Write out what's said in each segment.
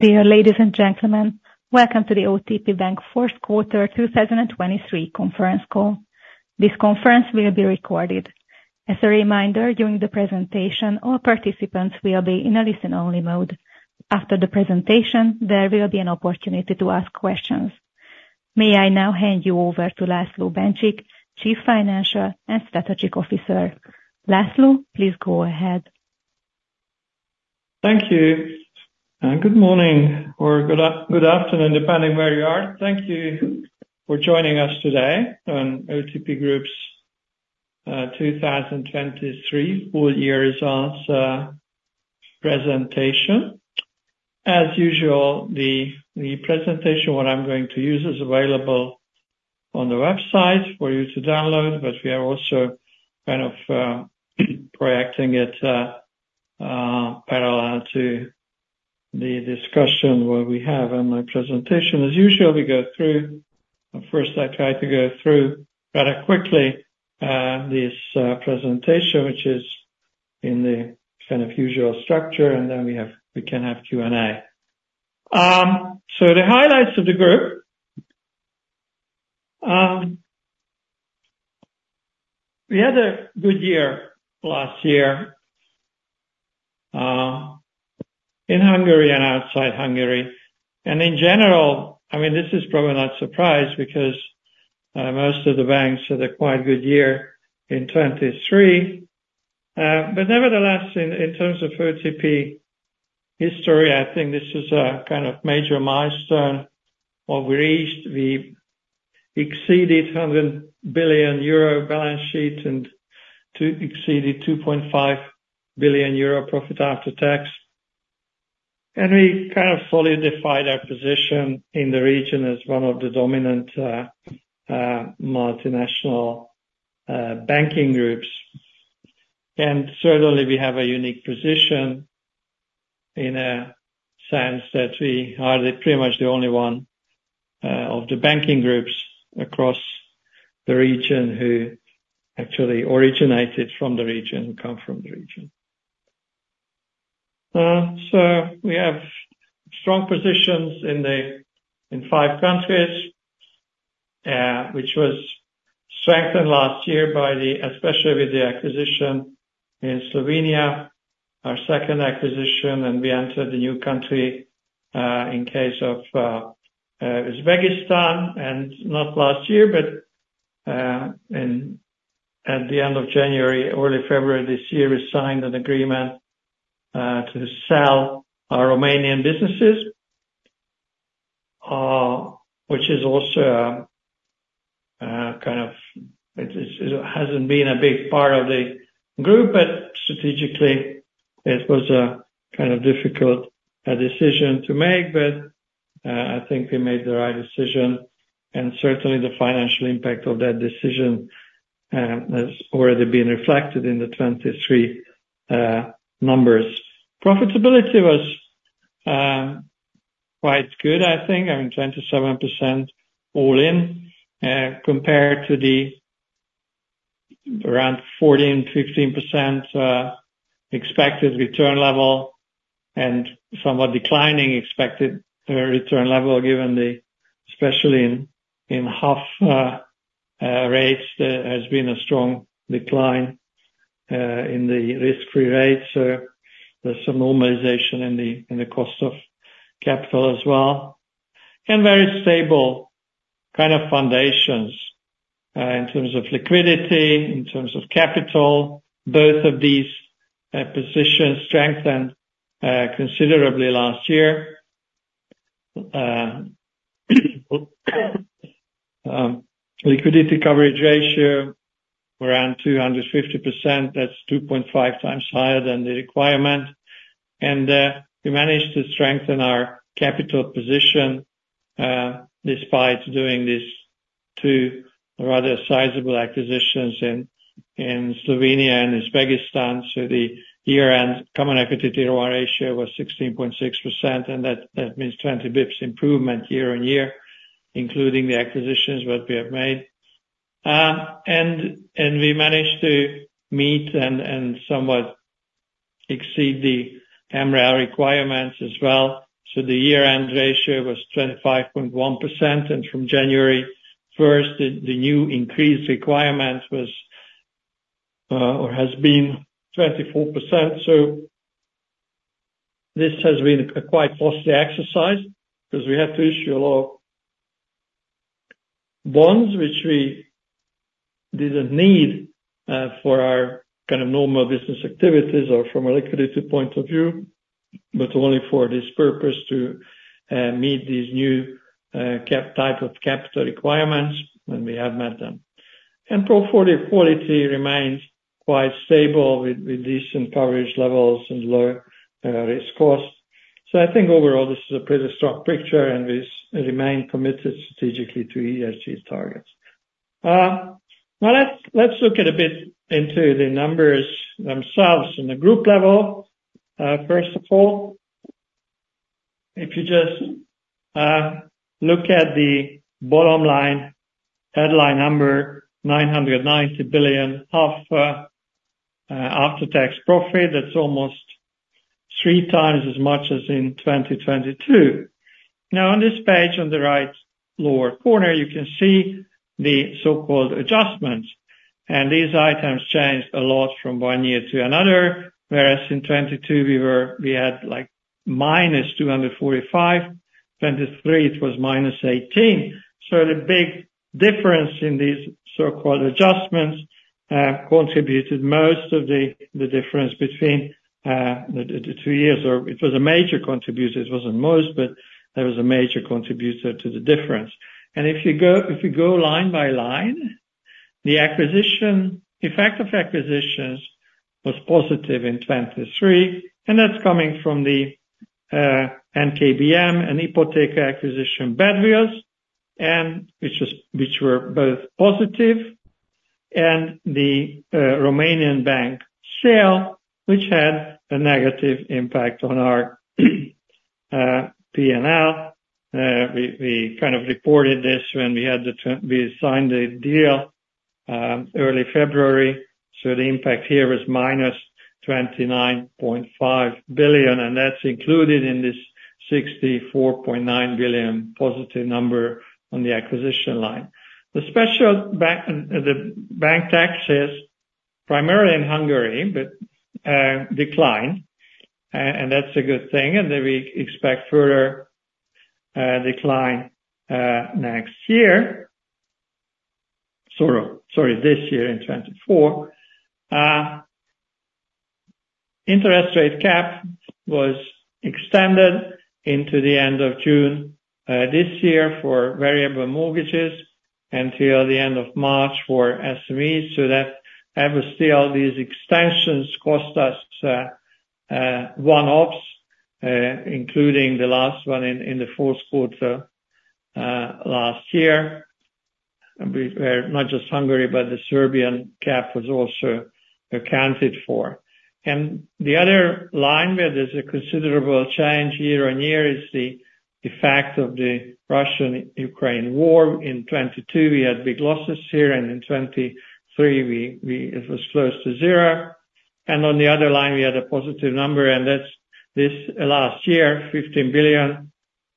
Dear ladies and gentlemen, welcome to the OTP Bank Q4 2023 conference call. This conference will be recorded. As a reminder, during the presentation, all participants will be in a listen-only mode. After the presentation, there will be an opportunity to ask questions. May I now hand you over to László Bencsik, Chief Financial and Strategic Officer? László, please go ahead. Thank you. Good morning or good afternoon, depending where you are. Thank you for joining us today on OTP Group's 2023 full-year results presentation. As usual, the presentation what I'm going to use is available on the website for you to download, but we are also kind of projecting it parallel to the discussion what we have on my presentation. As usual, we go through first, I try to go through rather quickly this presentation, which is in the kind of usual structure, and then we can have Q&A. So the highlights of the group: we had a good year last year in Hungary and outside Hungary. In general, I mean, this is probably not surprise because most of the banks had a quite good year in 2023. But nevertheless, in terms of OTP history, I think this was a kind of major milestone. What we reached, we exceeded 100 billion euro balance sheet and exceeded 2.5 billion euro profit after tax. We kind of solidified our position in the region as one of the dominant multinational banking groups. And certainly, we have a unique position in a sense that we are pretty much the only one of the banking groups across the region who actually originated from the region, who come from the region. So we have strong positions in five countries, which was strengthened last year especially with the acquisition in Slovenia, our second acquisition, and we entered a new country in case of Uzbekistan. Not last year, but at the end of January, early February this year, we signed an agreement to sell our Romanian businesses, which is also kind of it hasn't been a big part of the group, but strategically, it was a kind of difficult decision to make. But I think we made the right decision. And certainly, the financial impact of that decision has already been reflected in the 2023 numbers. Profitability was quite good, I think. I mean, 27% all in compared to around 14%-15% expected return level and somewhat declining expected return level given the especially in HUF rates, there has been a strong decline in the risk-free rates. So there's some normalization in the cost of capital as well and very stable kind of foundations in terms of liquidity, in terms of capital. Both of these positions strengthened considerably last year. Liquidity coverage ratio around 250%. That's 2.5 times higher than the requirement. And we managed to strengthen our capital position despite doing these two rather sizable acquisitions in Slovenia and Uzbekistan. So the year-end Common Equity Tier 1 ratio was 16.6%, and that means 20 basis points improvement quarter-over-quarter, including the acquisitions that we have made. We managed to meet and somewhat exceed the MREL requirements as well. So the year-end ratio was 25.1%. And from January 1st, the new increased requirement was or has been 24%. So this has been a quite costly exercise because we had to issue a lot of bonds, which we didn't need for our kind of normal business activities or from a liquidity point of view, but only for this purpose to meet these new type of capital requirements, and we have met them. And portfolio quality remains quite stable with decent coverage levels and low risk cost. So I think overall, this is a pretty strong picture, and we remain committed strategically to ESG targets. Now, let's look a bit into the numbers themselves on the group level. First of all, if you just look at the bottom line headline number, 990 billion half after-tax profit, that's almost three times as much as in 2022. Now, on this page on the right lower corner, you can see the so-called adjustments. These items changed a lot from one year to another. Whereas in 2022, we had minus 245. 2023, it was minus 18. So the big difference in these so-called adjustments contributed most of the difference between the two years. Or it was a major contributor. It wasn't most, but there was a major contributor to the difference. And if you go line by line, the effect of acquisitions was positive in 2023, and that's coming from the NKBM and Ipoteka acquisition, which were both positive, and the Romanian bank sale, which had a negative impact on our P&L. We kind of reported this when we signed the deal early February. So the impact here was -29.5 billion, and that's included in this 64.9 billion positive number on the acquisition line. The bank taxes, primarily in Hungary, declined, and that's a good thing. And then we expect further decline next year sorry, this year in 2024. Interest rate cap was extended into the end of June this year for variable mortgages until the end of March for SMEs. So that ever still, these extensions cost us 1 bps, including the last one in the Q4 last year. Not just Hungary, but the Serbian cap was also accounted for. The other line where there's a considerable change year-on-year is the fact of the Russia-Ukraine war. In 2022, we had big losses here, and in 2023, it was close to zero. On the other line, we had a positive number, and that's this last year, 15 billion.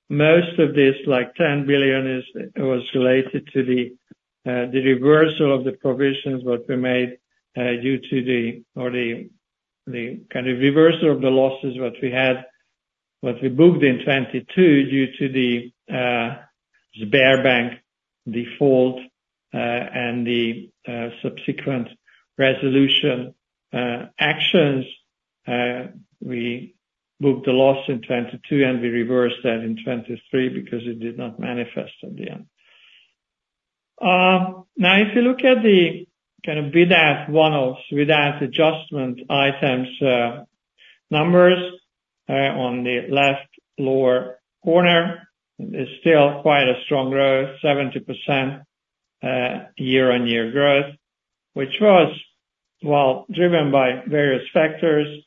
Most of this, like 10 billion, was related to the reversal of the provisions that were made due to the kind of reversal of the losses that we had that we booked in 2022 due to the Sberbank default and the subsequent resolution actions. We booked the loss in 2022, and we reversed that in 2023 because it did not manifest at the end. Now, if you look at the kind of without one-offs without adjustment items numbers on the left lower corner, it is still quite a strong growth, 70% year-on-year growth, which was, well, driven by various factors.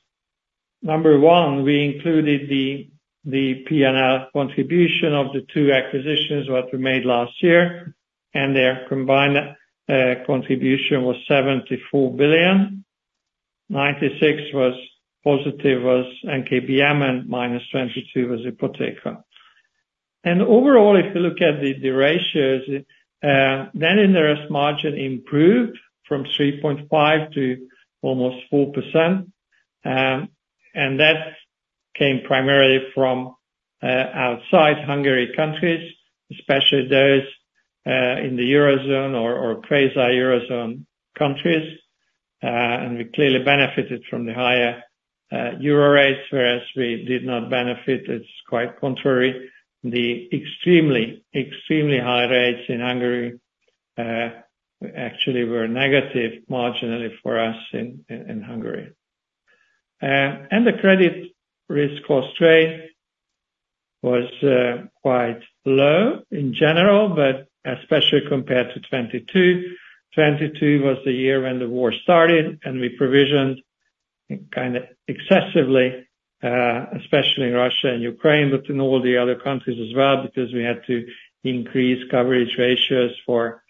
Number one, we included the P&L contribution of the two acquisitions that we made last year, and their combined contribution was 74 billion. 96 was positive was NKBM, and minus 22 was Ipoteka. And overall, if you look at the ratios, net interest margin improved from 3.5% to almost 4%. And that came primarily from outside Hungary countries, especially those in the Eurozone or Quasi-Eurozone countries. And we clearly benefited from the higher euro rates, whereas we did not benefit. It's quite contrary. The extremely, extremely high rates in Hungary actually were negative marginally for us in Hungary. And the credit risk cost trade was quite low in general, but especially compared to 2022. 2022 was the year when the war started, and we provisioned kind of excessively, especially in Russia and Ukraine, but in all the other countries as well because we had to increase coverage ratios for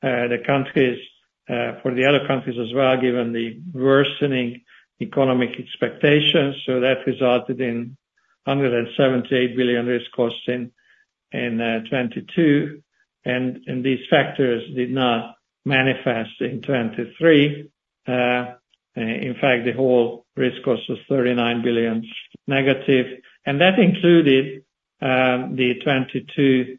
the countries for the other countries as well given the worsening economic expectations. So that resulted in 178 billion risk costs in 2022. And these factors did not manifest in 2023. In fact, the whole risk cost was 39 billion negative. And that included the 2022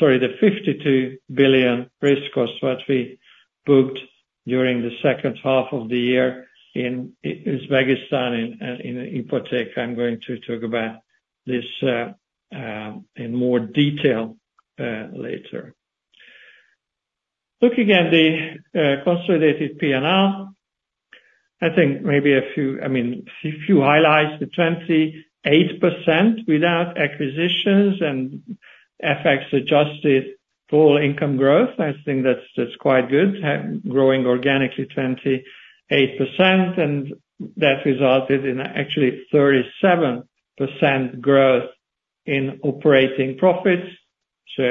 sorry, the 52 billion risk costs that we booked during the H2 of the year in Uzbekistan in Ipoteka. I'm going to talk about this in more detail later. Looking at the consolidated P&L, I think maybe a few I mean, a few highlights. The 28% without acquisitions and FX adjusted full income growth, I think that's quite good, growing organically 28%. That resulted in actually 37% growth in operating profits. So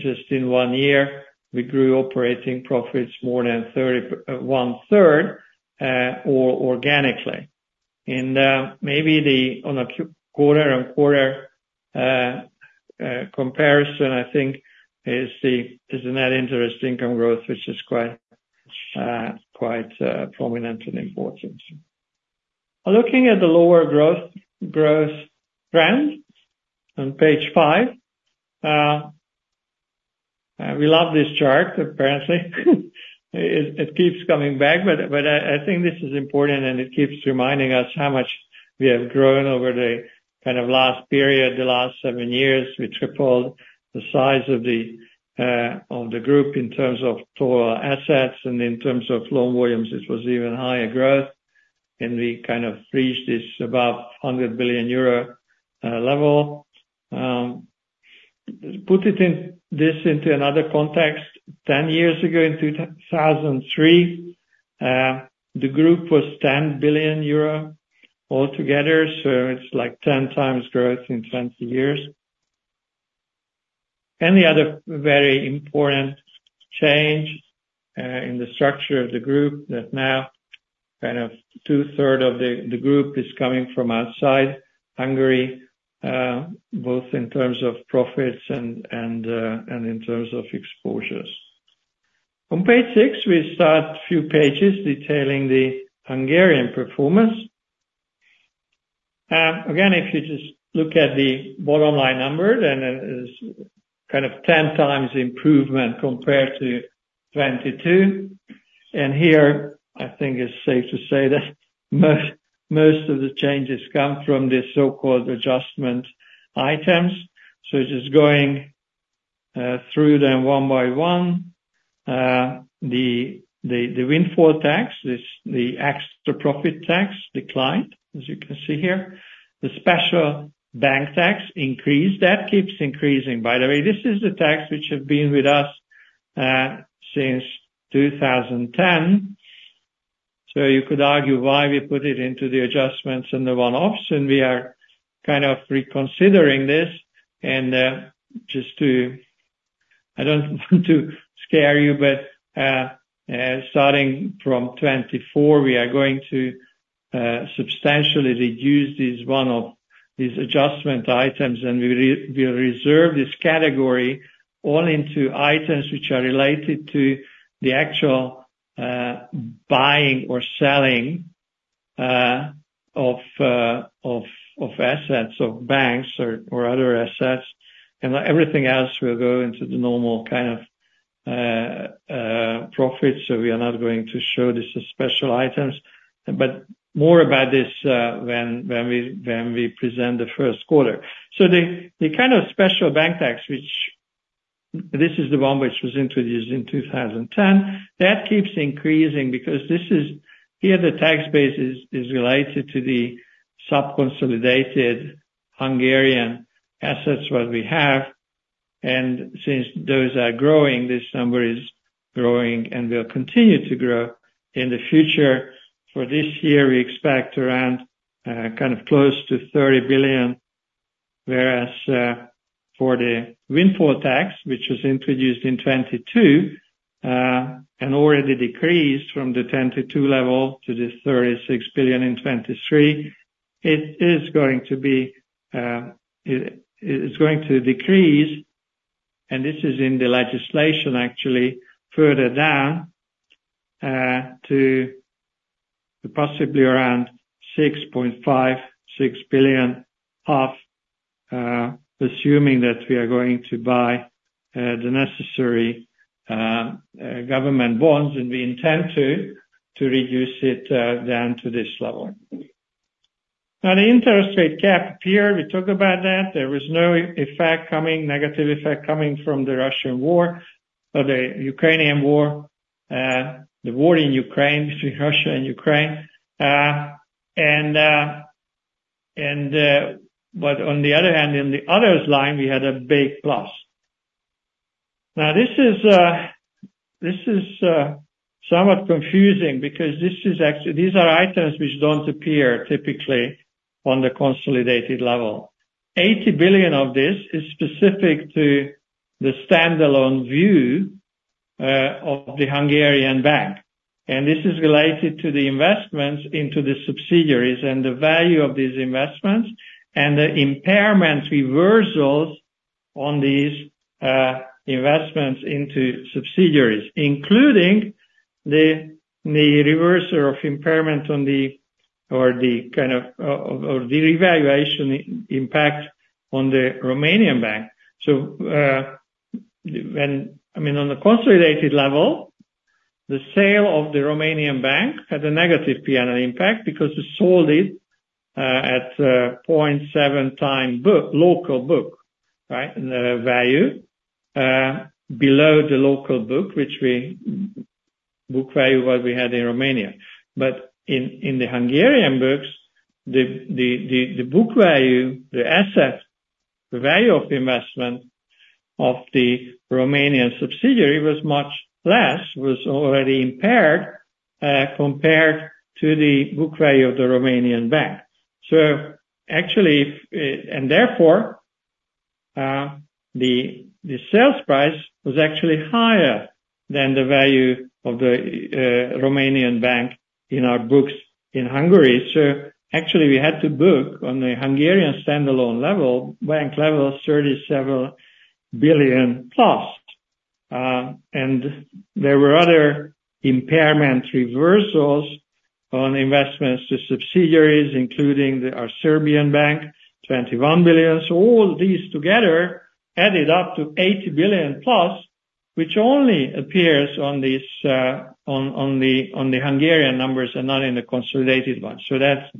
just in 1 year, we grew operating profits more than one-third organically. And maybe on a quarter-on-quarter comparison, I think, is the net interest income growth, which is quite prominent and important. Looking at the lower growth trend on page 5, we love this chart, apparently. It keeps coming back, but I think this is important, and it keeps reminding us how much we have grown over the kind of last period, the last 7 years. We tripled the size of the group in terms of total assets, and in terms of loan volumes, it was even higher growth. And we kind of reached this above 100 billion euro level. Put this into another context, 10 years ago, in 2003, the group was 10 billion euro altogether. So it's like 10x growth in 20 years. Any other very important change in the structure of the group that now kind of two-thirds of the group is coming from outside Hungary, both in terms of profits and in terms of exposures. On page 6, we start a few pages detailing the Hungarian performance. Again, if you just look at the bottom line number, then it's kind of 10 times improvement compared to 2022. And here, I think it's safe to say that most of the changes come from the so-called adjustment items. So just going through them one by one, the windfall tax, the extra profit tax declined, as you can see here. The special bank tax increased. That keeps increasing. By the way, this is the tax which has been with us since 2010. So you could argue why we put it into the adjustments and the one-offs. And we are kind of reconsidering this. And just to, I don't want to scare you, but starting from 2024, we are going to substantially reduce these one-off adjustment items. We will reserve this category all into items which are related to the actual buying or selling of assets, of banks or other assets. And everything else, we'll go into the normal kind of profits. So we are not going to show this as special items. But more about this when we present the Q1. So the kind of special bank tax which this is the one which was introduced in 2010. That keeps increasing because this is here, the tax base is related to the subconsolidated Hungarian assets that we have. And since those are growing, this number is growing and will continue to grow in the future. For this year, we expect around kind of close to 30 billion. Whereas for the windfall tax, which was introduced in 2022 and already decreased from the 2022 level to the 36 billion in 2023, it is going to be; it's going to decrease. And this is in the legislation, actually, further down to possibly around 6.5-6 billion, assuming that we are going to buy the necessary government bonds. And we intend to reduce it down to this level. Now, the interest rate cap appear. We talk about that. There was no effect coming, negative effect coming from the Russian war or the Ukrainian war, the war in Ukraine between Russia and Ukraine. But on the other hand, in the others line, we had a big plus. Now, this is somewhat confusing because this is actually these are items which don't appear typically on the consolidated level. 80 billion of this is specific to the standalone view of the Hungarian bank. And this is related to the investments into the subsidiaries and the value of these investments and the impairment reversals on these investments into subsidiaries, including the reversal of impairment on the revaluation impact on the Romanian bank. So when I mean, on the consolidated level, the sale of the Romanian bank had a negative P&L impact because it sold it at 0.7-time local book, right, value, below the local book, which we book value that we had in Romania. But in the Hungarian books, the book value, the asset, the value of investment of the Romanian subsidiary was much less, was already impaired compared to the book value of the Romanian bank. So actually, and therefore, the sales price was actually higher than the value of the Romanian bank in our books in Hungary. So actually, we had to book on the Hungarian standalone level, bank level, 37 billion+. And there were other impairment reversals on investments to subsidiaries, including our Serbian bank, 21 billion. So all these together added up to 80 billion+, which only appears on these on the Hungarian numbers and not in the consolidated one. So that's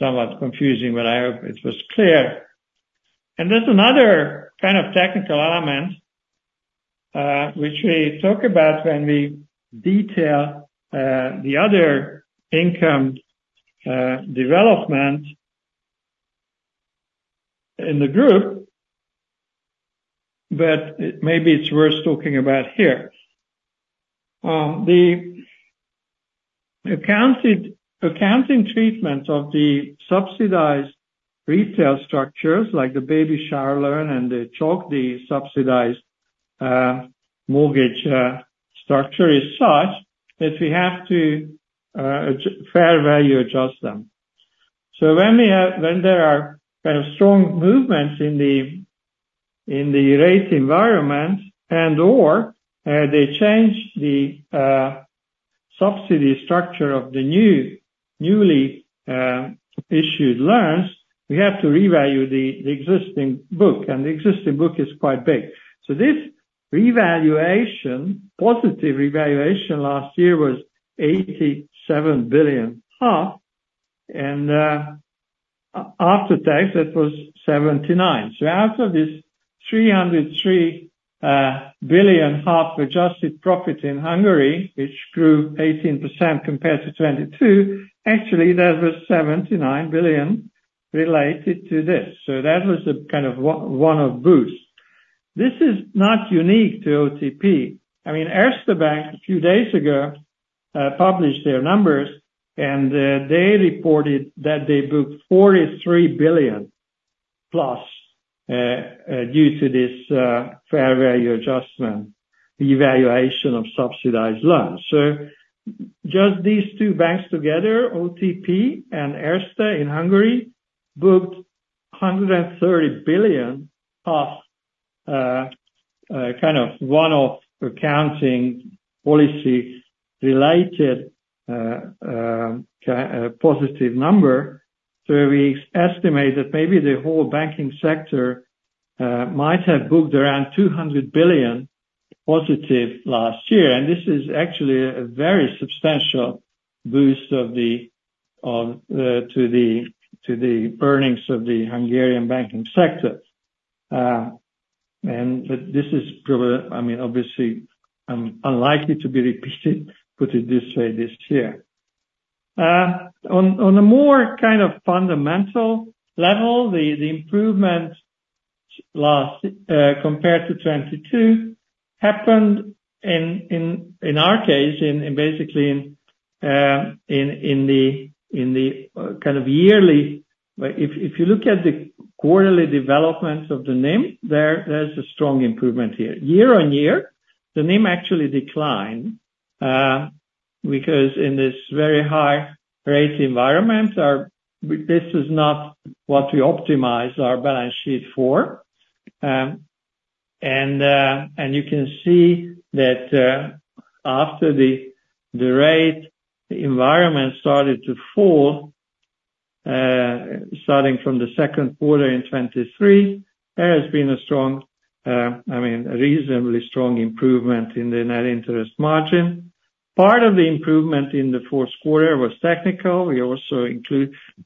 somewhat confusing, but I hope it was clear. And there's another kind of technical element which we talk about when we detail the other income development in the group, but maybe it's worth talking about here. The accounting treatment of the subsidized retail structures, like the baby shower loan and the CSOK, the subsidized mortgage structure is such that we have to fair value adjust them. So when there are kind of strong movements in the rate environment and/or they change the subsidy structure of the newly issued loans, we have to revalue the existing book. And the existing book is quite big. So this revaluation, positive revaluation last year was 87 billion. And after tax, that was 79 billion. So out of this 303 billion adjusted profit in Hungary, which grew 18% compared to 2022, actually, there was 79 billion related to this. So that was the kind of one-off boost. This is not unique to OTP. I mean, Erste Bank, a few days ago, published their numbers, and they reported that they booked 43 billion plus due to this fair value adjustment, the evaluation of subsidized loans. So just these two banks together, OTP and Erste in Hungary, booked 130 billion of kind of one-off accounting policy-related positive number. So we estimate that maybe the whole banking sector might have booked around 200 billion positive last year. And this is actually a very substantial boost to the earnings of the Hungarian banking sector. And this is probably I mean, obviously, unlikely to be repeated, put it this way this year. On a more kind of fundamental level, the improvement compared to 2022 happened in our case, basically in the kind of yearly if you look at the quarterly development of the NIM, there's a strong improvement here. Year-on-year, the NIM actually declined because in this very high rate environment, this is not what we optimized our balance sheet for. And you can see that after the rate, the environment started to fall, starting from the Q2 in 2023, there has been a strong I mean, a reasonably strong improvement in the net interest margin. Part of the improvement in the Q4 was technical. We also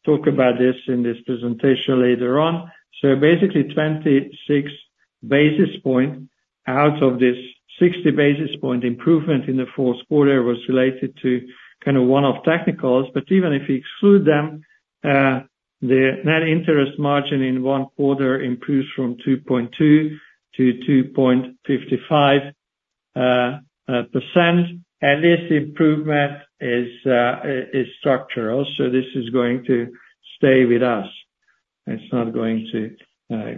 talk about this in this presentation later on. So basically, 26 basis points out of this 60 basis point improvement in the Q4 was related to kind of one-off technicals. But even if you exclude them, the net interest margin in one quarter improves from 2.2%-2.55%. And this improvement is structural. So this is going to stay with us. It's not going to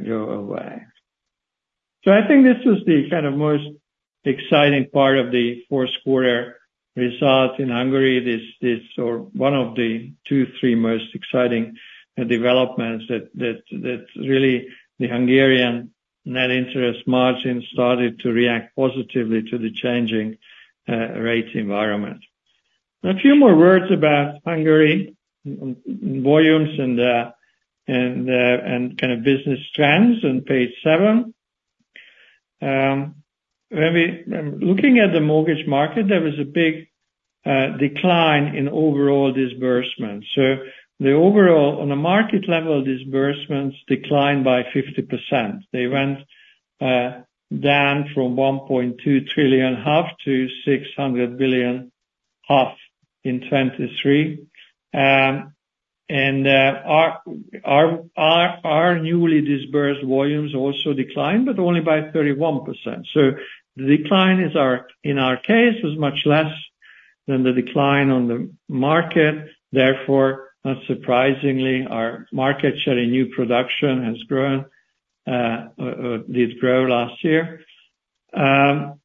go away. So I think this was the kind of most exciting part of the Q4 result in Hungary, this or one of the two, three most exciting developments that really the Hungarian net interest margin started to react positively to the changing rate environment. A few more words about Hungary, volumes and kind of business trends on page seven. When we looking at the mortgage market, there was a big decline in overall disbursements. So the overall, on a market level, disbursements declined by 50%. They went down from 1.2 trillion to 600 billion in 2023. And our newly disbursed volumes also declined, but only by 31%. So the decline in our case was much less than the decline on the market. Therefore, not surprisingly, our market share in new production has grown or did grow last year. And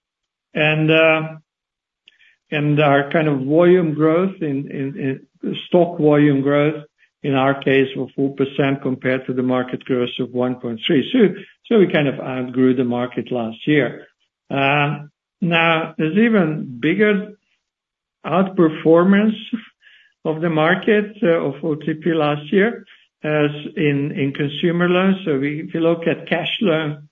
our kind of volume growth in stock volume growth, in our case, was 4% compared to the market growth of 1.3%. So we kind of outgrew the market last year. Now, there's even bigger outperformance of the market of OTP last year as in consumer loans. So if you look at cash loan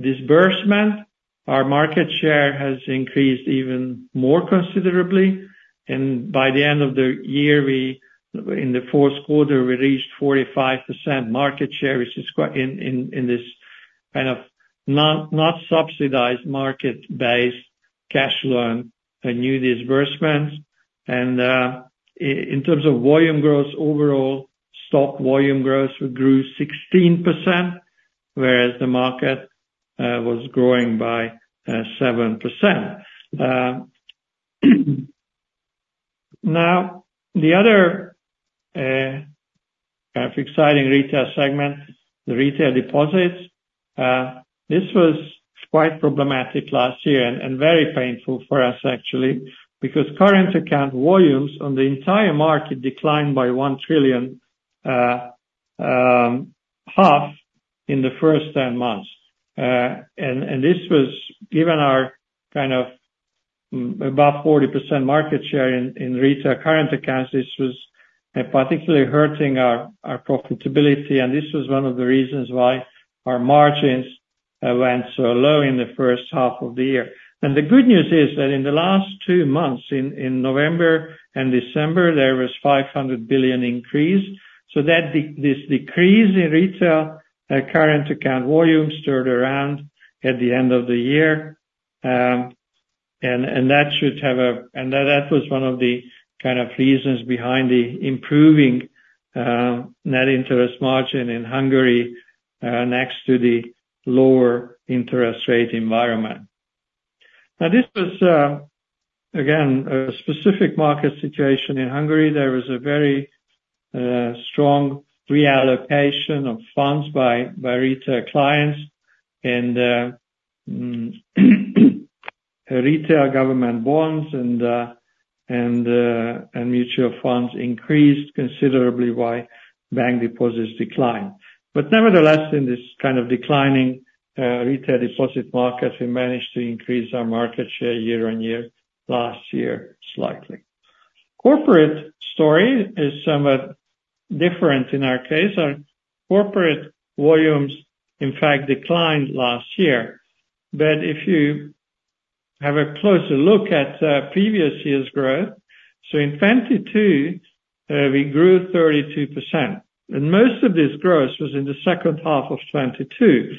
disbursement, our market share has increased even more considerably. By the end of the year, in the Q4, we reached 45% market share, which is quite in this kind of not subsidized market-based cash loan new disbursements. In terms of volume growth, overall, stock volume growth grew 16%, whereas the market was growing by 7%. Now, the other kind of exciting retail segment, the retail deposits, this was quite problematic last year and very painful for us, actually, because current account volumes on the entire market declined by 1.5 trillion in the first 10 months. This was given our kind of above 40% market share in retail current accounts, this was particularly hurting our profitability. This was one of the reasons why our margins went so low in the H1 of the year. The good news is that in the last two months, in November and December, there was 500 billion increase. So this decrease in retail current account volume stirred around at the end of the year. And that was one of the kind of reasons behind the improving net interest margin in Hungary next to the lower interest rate environment. Now, this was, again, a specific market situation in Hungary. There was a very strong reallocation of funds by retail clients. And retail government bonds and mutual funds increased considerably while bank deposits declined. But nevertheless, in this kind of declining retail deposit market, we managed to increase our market share year on year last year slightly. Corporate story is somewhat different in our case. Our corporate volumes, in fact, declined last year. If you have a closer look at previous years' growth, so in 2022, we grew 32%. And most of this growth was in the H2 of 2022.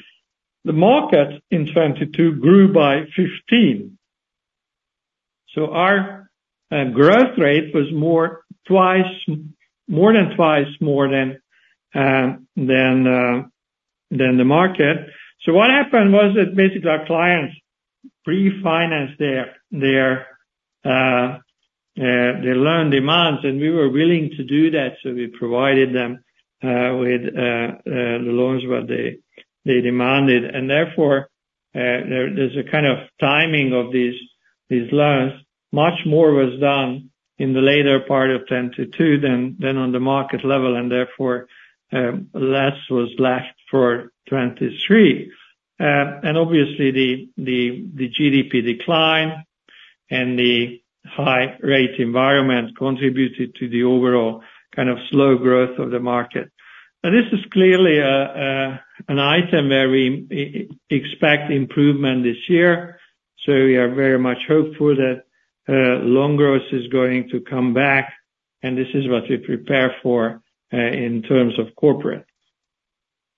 The market in 2022 grew by 15. So our growth rate was more than twice more than the market. So what happened was that basically, our clients pre-financed their loan demands. And we were willing to do that. So we provided them with the loans that they demanded. And therefore, there's a kind of timing of these loans. Much more was done in the later part of 2022 than on the market level. And therefore, less was left for 2023. And obviously, the GDP decline and the high rate environment contributed to the overall kind of slow growth of the market. Now, this is clearly an item where we expect improvement this year. So we are very much hopeful that loan growth is going to come back. And this is what we prepare for in terms of corporate.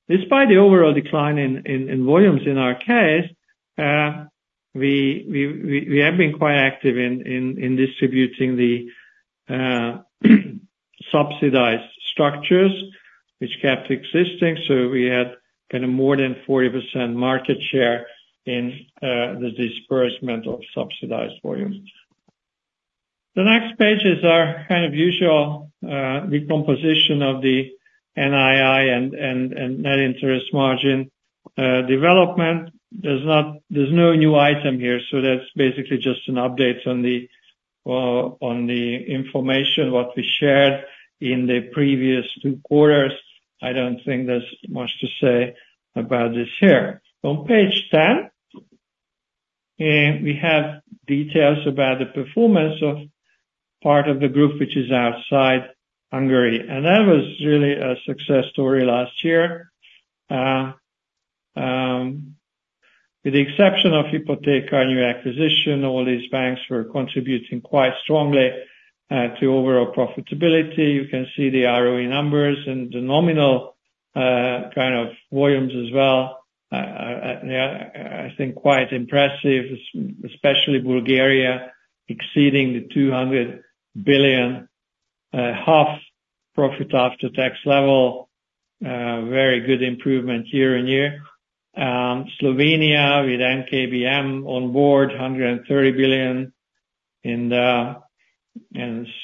Despite the overall decline in volumes in our case, we have been quite active in distributing the subsidized structures, which kept existing. So we had kind of more than 40% market share in the disbursement of subsidized volumes. The next page is our kind of usual decomposition of the NII and net interest margin development. There's no new item here. So that's basically just an update on the information what we shared in the previous two quarters. I don't think there's much to say about this here. On page 10, we have details about the performance of part of the group which is outside Hungary. And that was really a success story last year. With the exception of Ipoteka and new acquisition, all these banks were contributing quite strongly to overall profitability. You can see the ROE numbers and the nominal kind of volumes as well. I think quite impressive, especially Bulgaria exceeding the 200 billion profit after tax level. Very good improvement year-on-year. Slovenia, with Nova KBM on board, 130 billion.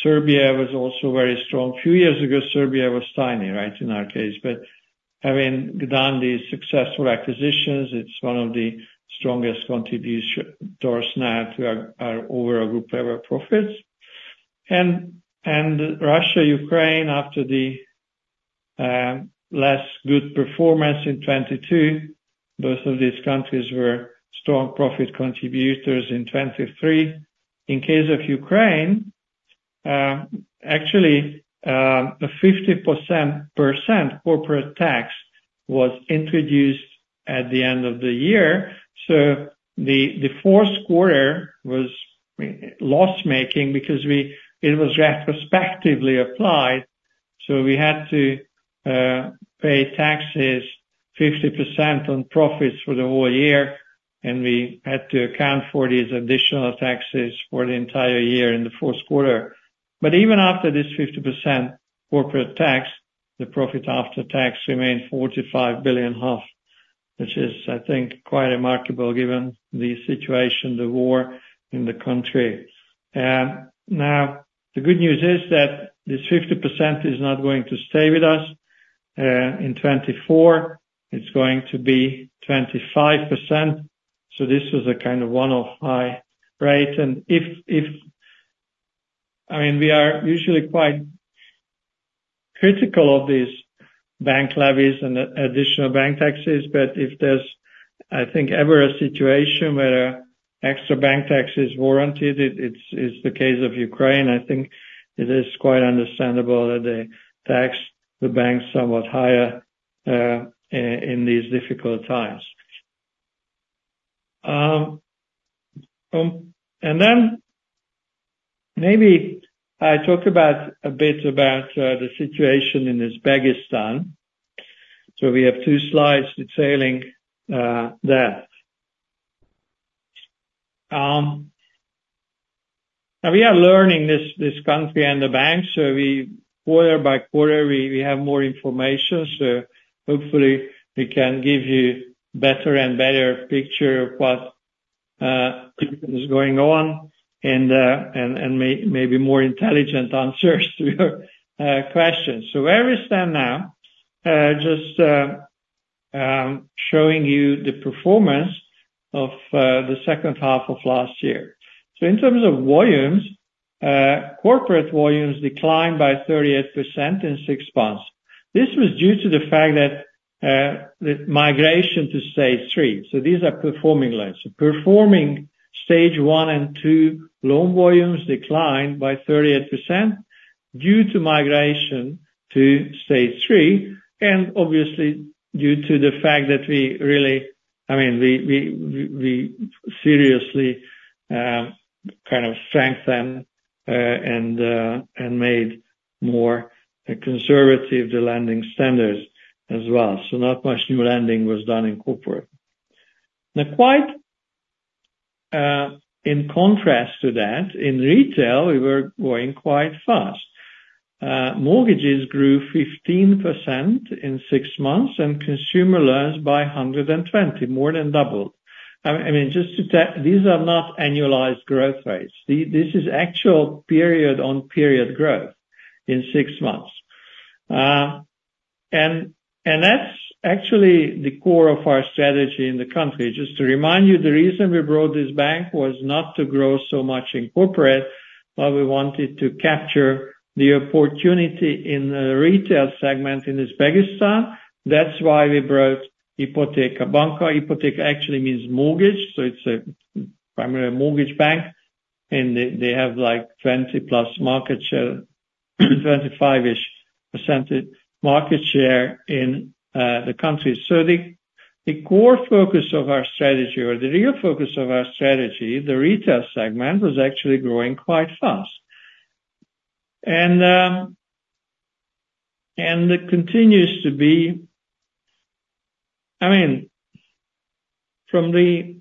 Serbia was also very strong. A few years ago, Serbia was tiny, right, in our case. But having done these successful acquisitions, it's one of the strongest contributors now to our overall group level profits. Russia, Ukraine, after the less good performance in 2022, both of these countries were strong profit contributors in 2023. In case of Ukraine, actually, a 50% corporate tax was introduced at the end of the year. So the Q4 was loss-making because it was retrospectively applied. We had to pay taxes 50% on profits for the whole year. We had to account for these additional taxes for the entire year in the Q4. But even after this 50% corporate tax, the profit after tax remained 45 billion, which is, I think, quite remarkable given the situation, the war in the country. Now, the good news is that this 50% is not going to stay with us in 2024. It's going to be 25%. So this was a kind of one-off high rate. And I mean, we are usually quite critical of these bank levies and additional bank taxes. But if there's, I think, ever a situation where extra bank tax is warranted, it's the case of Ukraine. I think it is quite understandable that they tax the banks somewhat higher in these difficult times. Then maybe I talk a bit about the situation in Uzbekistan. So we have 2 slides detailing that. Now, we are learning this country and the bank. So quarter by quarter, we have more information. So hopefully, we can give you a better and better picture of what is going on and maybe more intelligent answers to your questions. So where we stand now, just showing you the performance of the H2 of last year. So in terms of volumes, corporate volumes declined by 38% in 6 months. This was due to the fact that migration to Stage 3. So these are performing loans. So performing Stage 1 and 2 loan volumes declined by 38% due to migration to Stage 3. And obviously, due to the fact that we really I mean, we seriously kind of strengthened and made more conservative the lending standards as well. So not much new lending was done in corporate. Now, quite in contrast to that, in retail, we were going quite fast. Mortgages grew 15% in six months and consumer loans by 120%, more than doubled. I mean, just to check, these are not annualized growth rates. This is actual period-on-period growth in six months. And that's actually the core of our strategy in the country. Just to remind you, the reason we brought this bank was not to grow so much in corporate, but we wanted to capture the opportunity in the retail segment in Uzbekistan. That's why we brought Ipoteka Bank. Ipoteka actually means mortgage. So it's a primary mortgage bank. And they have like 20+ market share, 25-ish% market share in the country. So the core focus of our strategy or the real focus of our strategy, the retail segment, was actually growing quite fast. It continues to be, I mean, from the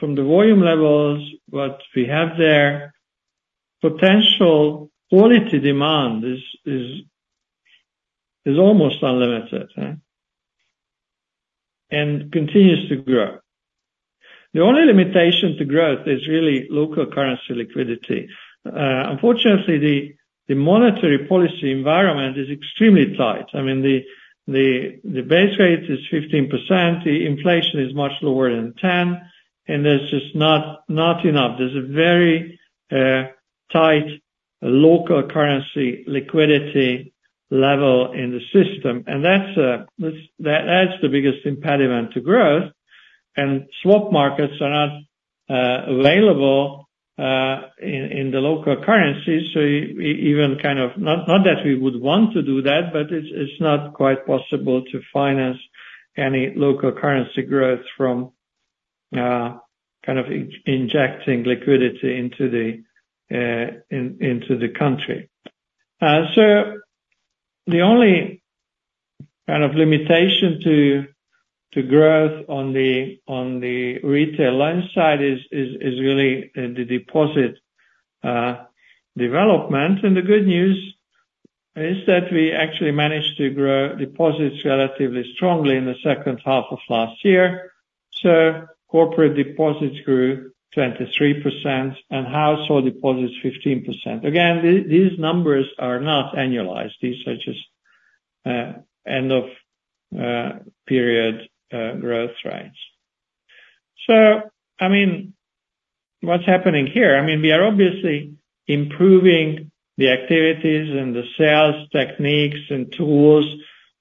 volume levels, what we have there, potential quality demand is almost unlimited and continues to grow. The only limitation to growth is really local currency liquidity. Unfortunately, the monetary policy environment is extremely tight. I mean, the base rate is 15%. The inflation is much lower than 10%. And there's just not enough. There's a very tight local currency liquidity level in the system. And that's the biggest impediment to growth. And swap markets are not available in the local currencies. So even kind of not that we would want to do that, but it's not quite possible to finance any local currency growth from kind of injecting liquidity into the country. So the only kind of limitation to growth on the retail loan side is really the deposit development. The good news is that we actually managed to grow deposits relatively strongly in the H2 of last year. So corporate deposits grew 23% and household deposits 15%. Again, these numbers are not annualized. These are just end-of-period growth rates. So I mean, what's happening here? I mean, we are obviously improving the activities and the sales techniques and tools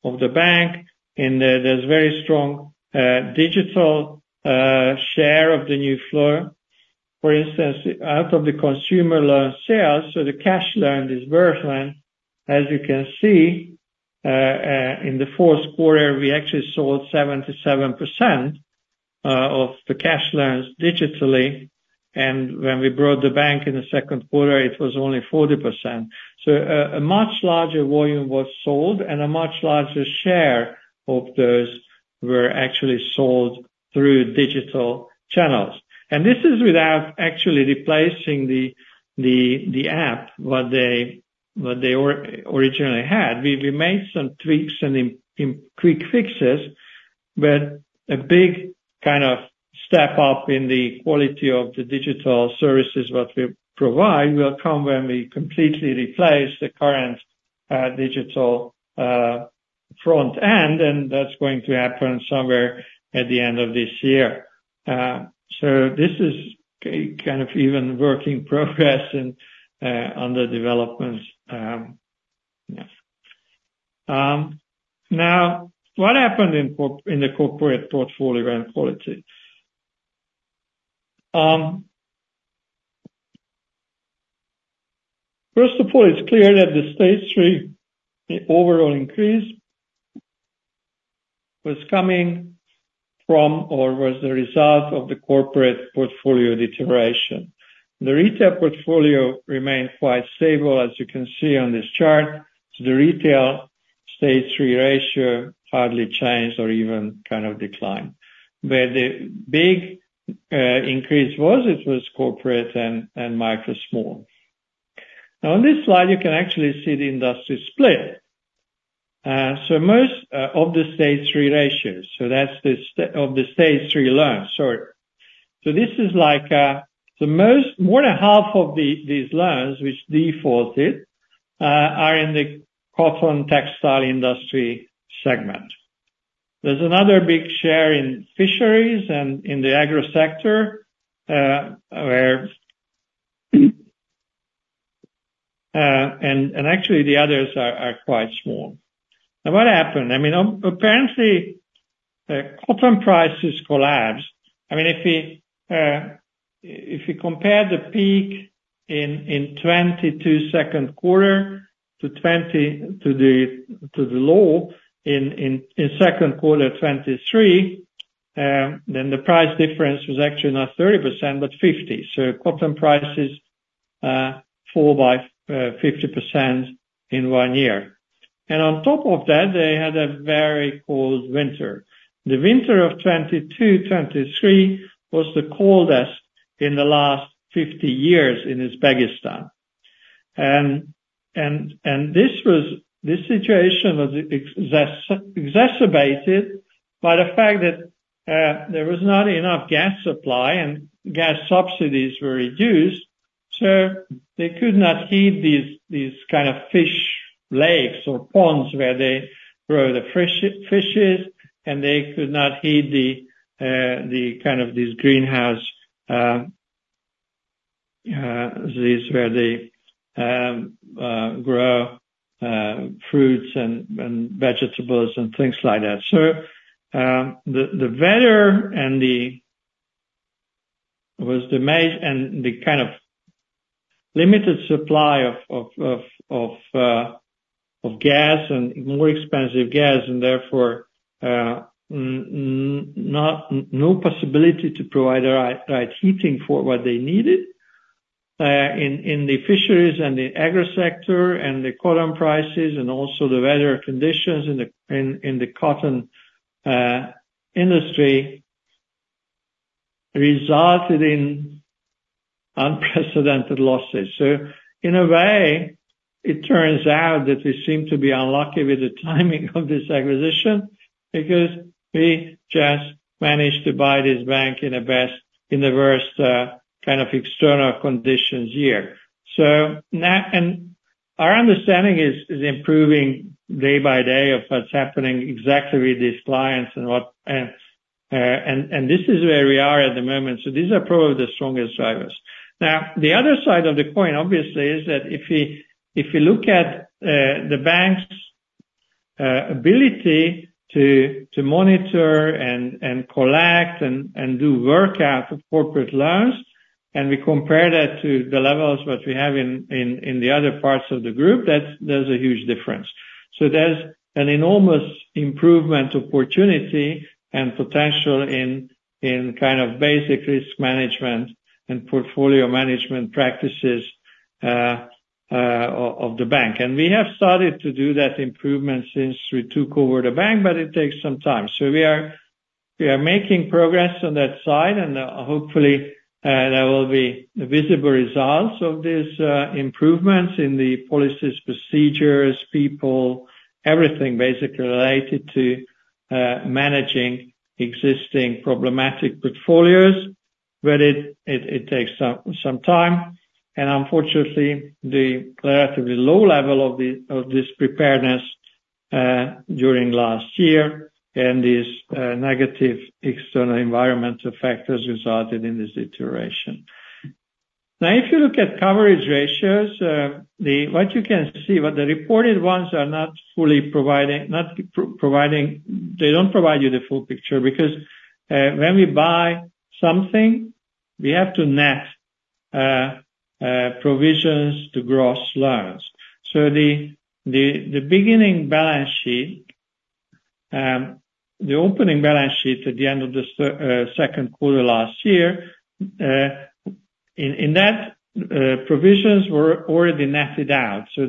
of the bank. And there's very strong digital share of the new flow. For instance, out of the consumer loan sales, so the cash loan disbursement, as you can see, in the Q4, we actually sold 77% of the cash loans digitally. And when we brought the bank in the Q2, it was only 40%. So a much larger volume was sold. And a much larger share of those were actually sold through digital channels. This is without actually replacing the app, what they originally had. We made some tweaks and quick fixes. A big kind of step up in the quality of the digital services what we provide will come when we completely replace the current digital front end. That's going to happen somewhere at the end of this year. This is kind of a work in progress under development. Now, what happened in the corporate portfolio and quality? First of all, it's clear that the stage 3 overall increase was coming from or was the result of the corporate portfolio deterioration. The retail portfolio remained quite stable, as you can see on this chart. The retail stage three ratio hardly changed or even kind of declined. The big increase was it was corporate and micro-small. Now, on this slide, you can actually see the industry split. So most of the stage three ratios so that's of the stage three loans, sorry. So this is like more than half of these loans, which defaulted, are in the cotton textile industry segment. There's another big share in fisheries and in the agro-sector and actually, the others are quite small. Now, what happened? I mean, apparently, cotton prices collapsed. I mean, if you compare the peak in 2022 Q2 to the low in Q2 2023, then the price difference was actually not 30% but 50%. So cotton prices fall by 50% in one year. And on top of that, they had a very cold winter. The winter of 2022-2023 was the coldest in the last 50 years in Uzbekistan. And this situation was exacerbated by the fact that there was not enough gas supply and gas subsidies were reduced. So they could not heat these kind of fish lakes or ponds where they grow the fishes. And they could not heat the kind of these greenhouses where they grow fruits and vegetables and things like that. So the weather and the kind of limited supply of gas and more expensive gas and therefore no possibility to provide the right heating for what they needed in the fisheries and the agro-sector and the cotton prices and also the weather conditions in the cotton industry resulted in unprecedented losses. So in a way, it turns out that we seem to be unlucky with the timing of this acquisition because we just managed to buy this bank in the worst kind of external conditions year. And our understanding is improving day by day of what's happening exactly with these clients. And this is where we are at the moment. So these are probably the strongest drivers. Now, the other side of the coin, obviously, is that if you look at the bank's ability to monitor and collect and do work out of corporate loans and we compare that to the levels what we have in the other parts of the group, there's a huge difference. There's an enormous improvement opportunity and potential in kind of basic risk management and portfolio management practices of the bank. We have started to do that improvement since we took over the bank, but it takes some time. We are making progress on that side. Hopefully, there will be visible results of these improvements in the policies, procedures, people, everything basically related to managing existing problematic portfolios. But it takes some time. Unfortunately, the relatively low level of this preparedness during last year and these negative external environmental factors resulted in this deterioration. Now, if you look at coverage ratios, what you can see, what the reported ones are not fully providing, they don't provide you the full picture because when we buy something, we have to net provisions to gross loans. So the beginning balance sheet, the opening balance sheet at the end of the Q2 last year, in that, provisions were already netted out. So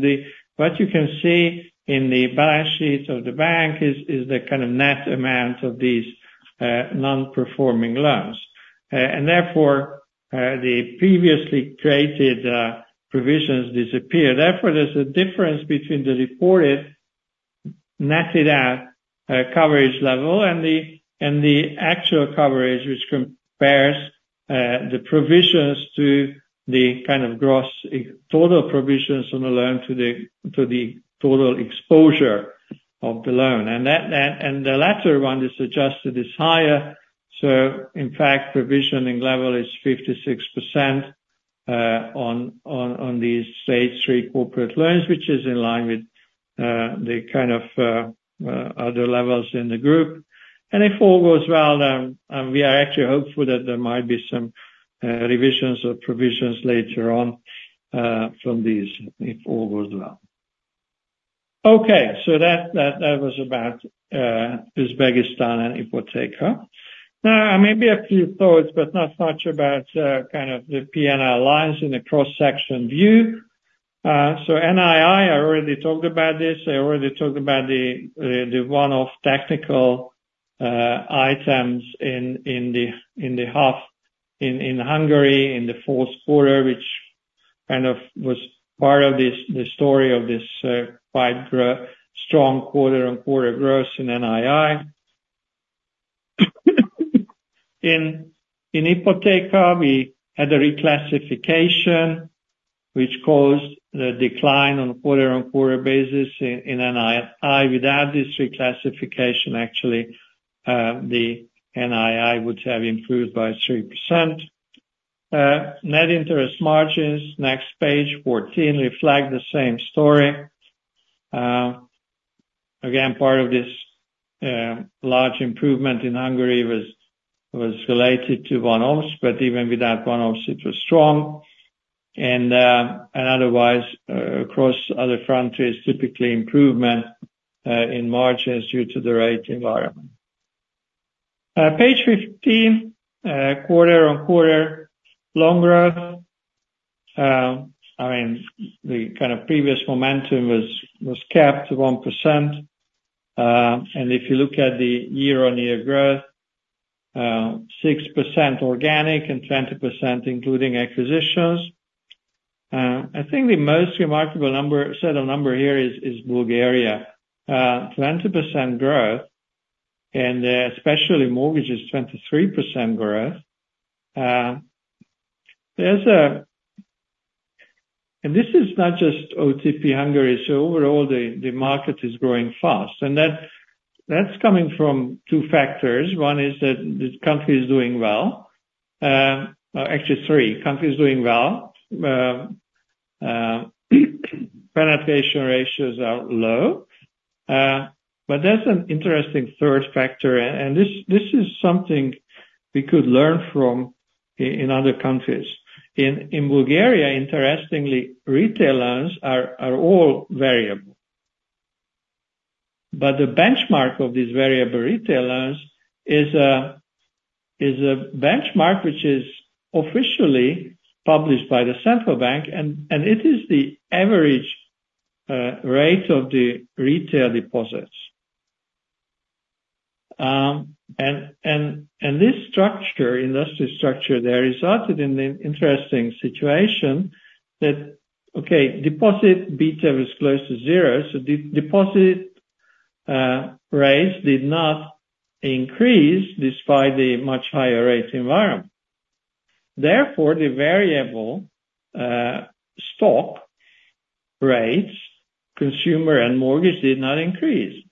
what you can see in the balance sheet of the bank is the kind of net amount of these non-performing loans. And therefore, the previously created provisions disappear. Therefore, there's a difference between the reported netted-out coverage level and the actual coverage, which compares the provisions to the kind of gross total provisions on the loan to the total exposure of the loan. And the latter one is adjusted is higher. So in fact, provisioning level is 56% on these Stage Three corporate loans, which is in line with the kind of other levels in the group. And if all goes well, we are actually hopeful that there might be some revisions of provisions later on from these if all goes well. Okay. So that was about Uzbekistan and Ipoteka. Now, maybe a few thoughts, but not much about kind of the P&L lines in the cross-section view. So NII, I already talked about this. I already talked about the one-off technical items in the HUF in Hungary in the Q4, which kind of was part of the story of this quite strong quarter-on-quarter growth in NII. In Ipoteka, we had a reclassification, which caused the decline on a quarter-on-quarter basis in NII. Without this reclassification, actually, the NII would have improved by 3%. Net interest margins, next page 14, reflect the same story. Again, part of this large improvement in Hungary was related to one-offs, but even without one-offs, it was strong. Otherwise, across other countries, typically improvement in margins due to the rate environment. Page 15, quarter-on-quarter loan growth. I mean, the kind of previous momentum was kept to 1%. If you look at the year-on-year growth, 6% organic and 20% including acquisitions. I think the most remarkable set of numbers here is Bulgaria. 20% growth and especially mortgages, 23% growth. This is not just OTP Hungary. So overall, the market is growing fast. That's coming from two factors. One is that the country is doing well. Actually, three. Country is doing well. Penetration ratios are low. But there's an interesting third factor. This is something we could learn from in other countries. In Bulgaria, interestingly, retail loans are all variable. The benchmark of these variable retail loans is a benchmark which is officially published by the central bank. It is the average rate of the retail deposits. This structure, industry structure there, resulted in an interesting situation that, okay, deposit beta was close to zero. Deposit rates did not increase despite the much higher rate environment. Therefore, the variable stock rates, consumer and mortgage, did not increase.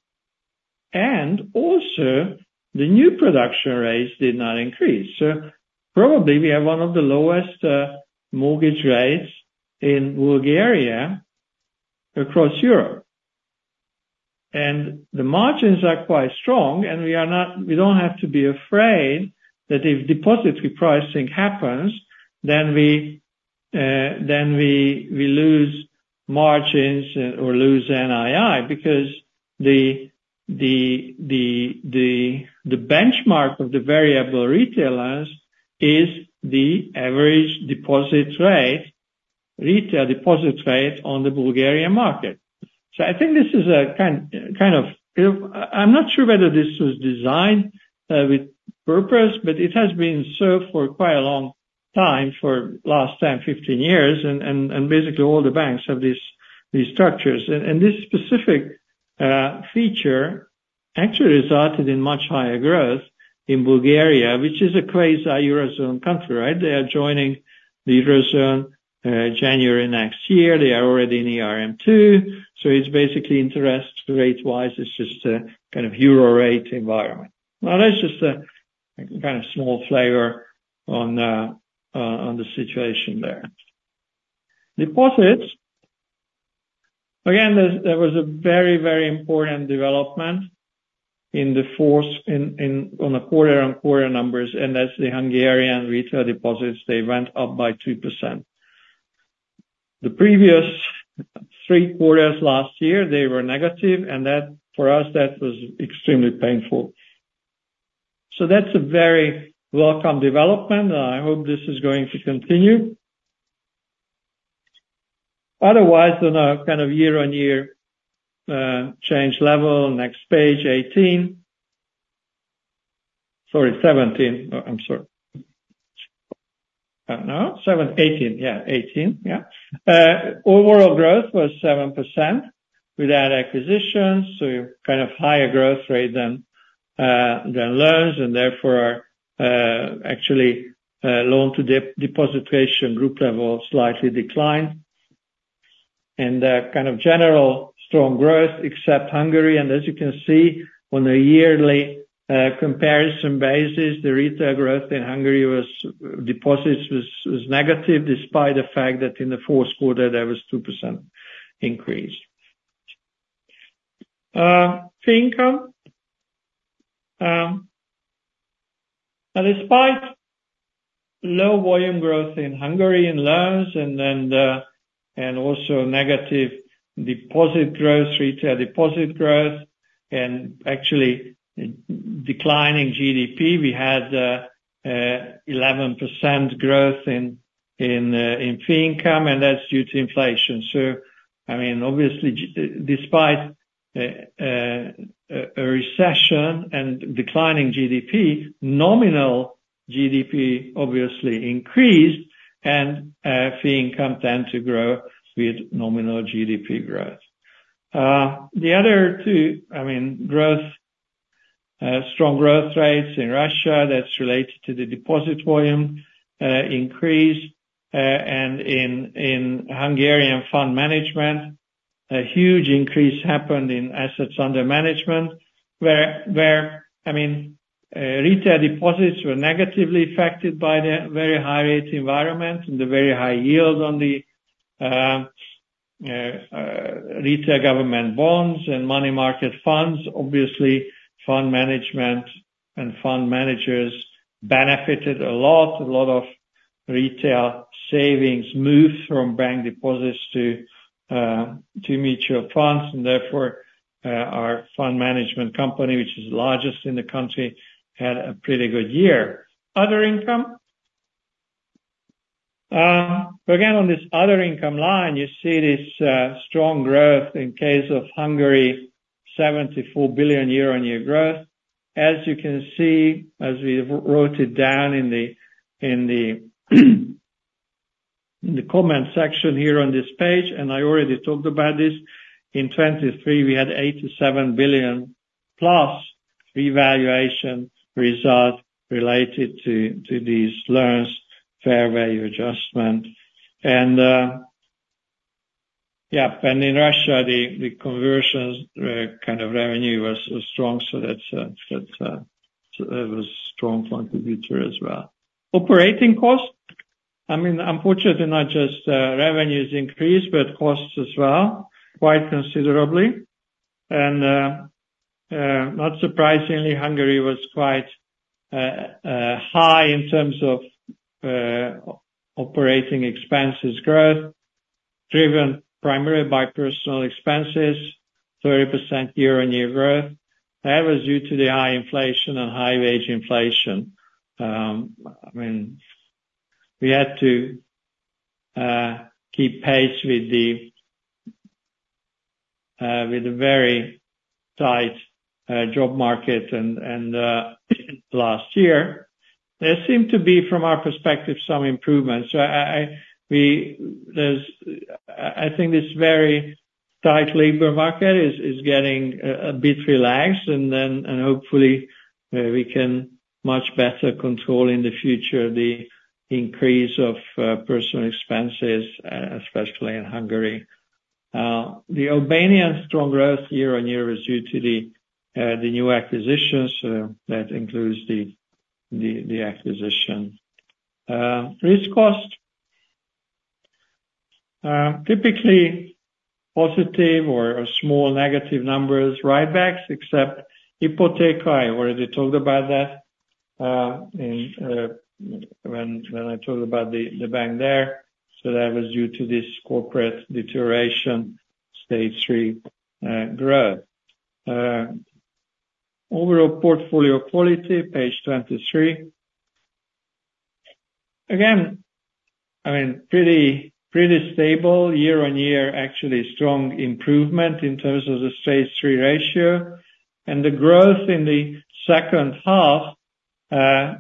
Also, the new production rates did not increase. Probably, we have one of the lowest mortgage rates in Bulgaria across Europe. The margins are quite strong. And we don't have to be afraid that if deposit pricing happens, then we lose margins or lose NII because the benchmark of the variable retail loans is the average deposit rate, retail deposit rate on the Bulgarian market. So I think this is a kind of. I'm not sure whether this was designed with purpose, but it has been served for quite a long time, for the last 10, 15 years. And basically, all the banks have these structures. And this specific feature actually resulted in much higher growth in Bulgaria, which is a quasi-Eurozone country, right? They are joining the Eurozone January next year. They are already in ERM II. So it's basically interest rate-wise, it's just a kind of euro rate environment. Now, that's just a kind of small flavor on the situation there. Deposits, again, there was a very, very important development on the quarter-on-quarter numbers. That's the Hungarian retail deposits. They went up by 2%. The previous three quarters last year, they were negative. For us, that was extremely painful. That's a very welcome development. I hope this is going to continue. Otherwise, on a kind of year-on-year change level, next page, 18. Sorry, 17. I'm sorry. No, 18. Yeah, 18. Yeah. Overall growth was 7% without acquisitions. Kind of higher growth rate than loans. Therefore, actually, loan-to-deposit at group level slightly declined. Kind of general strong growth except Hungary. As you can see, on a yearly comparison basis, the retail growth in Hungary was deposits was negative despite the fact that in the Q4, there was 2% increase. Fee income. Now, despite low volume growth in Hungary in loans and also negative deposit growth, retail deposit growth, and actually declining GDP, we had 11% growth in fee income. And that's due to inflation. So I mean, obviously, despite a recession and declining GDP, nominal GDP, obviously, increased. And fee income tend to grow with nominal GDP growth. The other two, I mean, strong growth rates in Russia, that's related to the deposit volume increase. And in Hungarian fund management, a huge increase happened in assets under management where, I mean, retail deposits were negatively affected by the very high rate environment and the very high yield on the retail government bonds and money market funds. Obviously, fund management and fund managers benefited a lot. A lot of retail savings moved from bank deposits to mutual funds. Therefore, our fund management company, which is largest in the country, had a pretty good year. Other income. Again, on this other income line, you see this strong growth in case of Hungary, 74 billion year-on-year growth. As you can see, as we wrote it down in the comment section here on this page, and I already talked about this, in 2023, we had 87 billion plus revaluation result related to these loans, fair value adjustment. And yeah, and in Russia, the conversion kind of revenue was strong. So that was a strong contributor as well. Operating cost. I mean, unfortunately, not just revenues increased, but costs as well, quite considerably. And not surprisingly, Hungary was quite high in terms of operating expenses growth, driven primarily by personnel expenses, 30% year-on-year growth. That was due to the high inflation and high wage inflation. I mean, we had to keep pace with the very tight job market last year. There seemed to be, from our perspective, some improvements. So I think this very tight labor market is getting a bit relaxed. And hopefully, we can much better control in the future the increase of personal expenses, especially in Hungary. The Albanian strong growth year-on-year was due to the new acquisitions. So that includes the acquisition. Risk cost. Typically positive or small negative numbers, writebacks, except Ipoteka, I already talked about that when I talked about the bank there. So that was due to this corporate deterioration, stage three growth. Overall portfolio quality, page 23. Again, I mean, pretty stable year-on-year, actually strong improvement in terms of the stage three ratio. And the growth in the H2,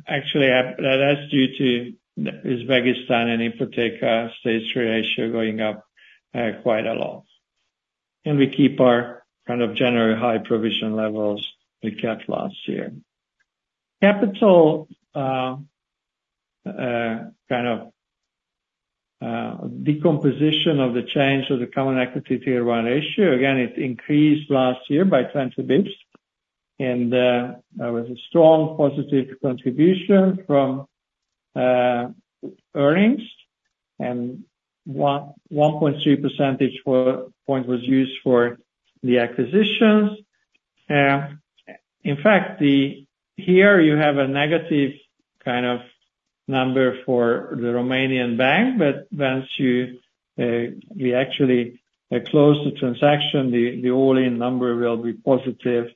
actually, that's due to Uzbekistan and Ipoteka, stage three ratio going up quite a lot. We keep our kind of general high provision levels we kept last year. Capital kind of decomposition of the change of the Common Equity Tier 1 ratio, again, it increased last year by 20 basis points. And that was a strong positive contribution from earnings. And 1.3 percentage point was used for the acquisitions. In fact, here you have a negative kind of number for the Romanian bank. But once we actually close the transaction, the all-in number will be positive.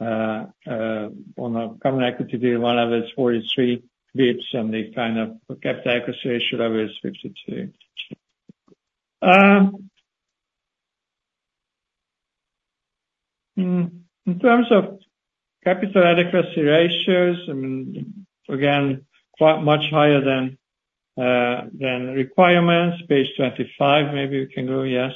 On a Common Equity Tier 1 level, it's 43 basis points. And the kind of capital adequacy ratio level is 52. In terms of capital adequacy ratios, I mean, again, quite much higher than requirements, page 25, maybe we can go, yes.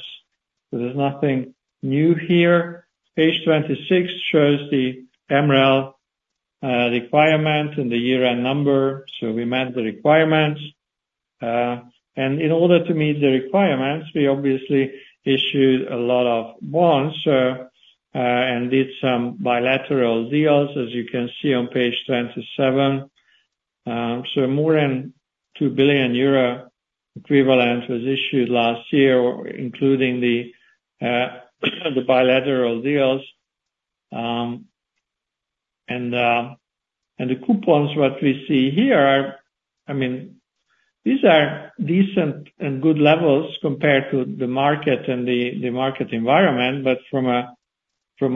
So there's nothing new here. Page 26 shows the MREL requirement and the year-end number. So we met the requirements. And in order to meet the requirements, we obviously issued a lot of bonds and did some bilateral deals, as you can see on page 27. So more than 2 billion euro equivalent was issued last year, including the bilateral deals. And the coupons, what we see here are, I mean, these are decent and good levels compared to the market and the market environment. But from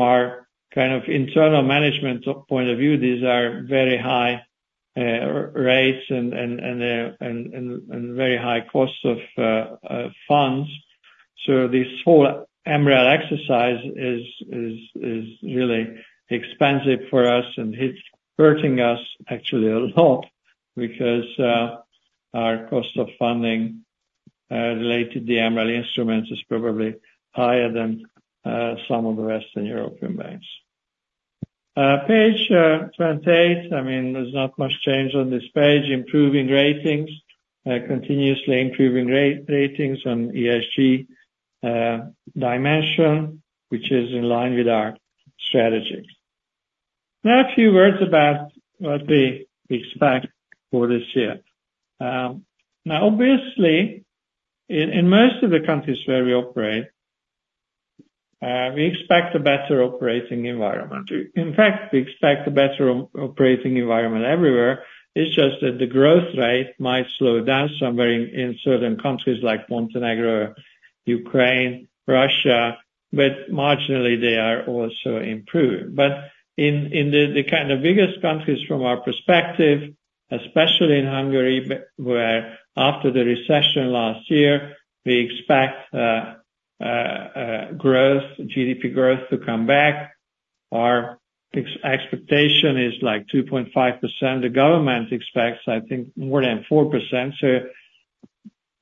our kind of internal management point of view, these are very high rates and very high cost of funds. So this whole MREL exercise is really expensive for us. And it's hurting us, actually, a lot because our cost of funding related to the MREL instruments is probably higher than some of the Western European banks. Page 28, I mean, there's not much change on this page. Improving ratings, continuously improving ratings on ESG dimension, which is in line with our strategy. Now, a few words about what we expect for this year. Now, obviously, in most of the countries where we operate, we expect a better operating environment. In fact, we expect a better operating environment everywhere. It's just that the growth rate might slow down somewhat in certain countries like Montenegro, Ukraine, Russia. But marginally, they are also improving. But in the kind of biggest countries, from our perspective, especially in Hungary, where after the recession last year, we expect GDP growth to come back. Our expectation is like 2.5%. The government expects, I think, more than 4%. So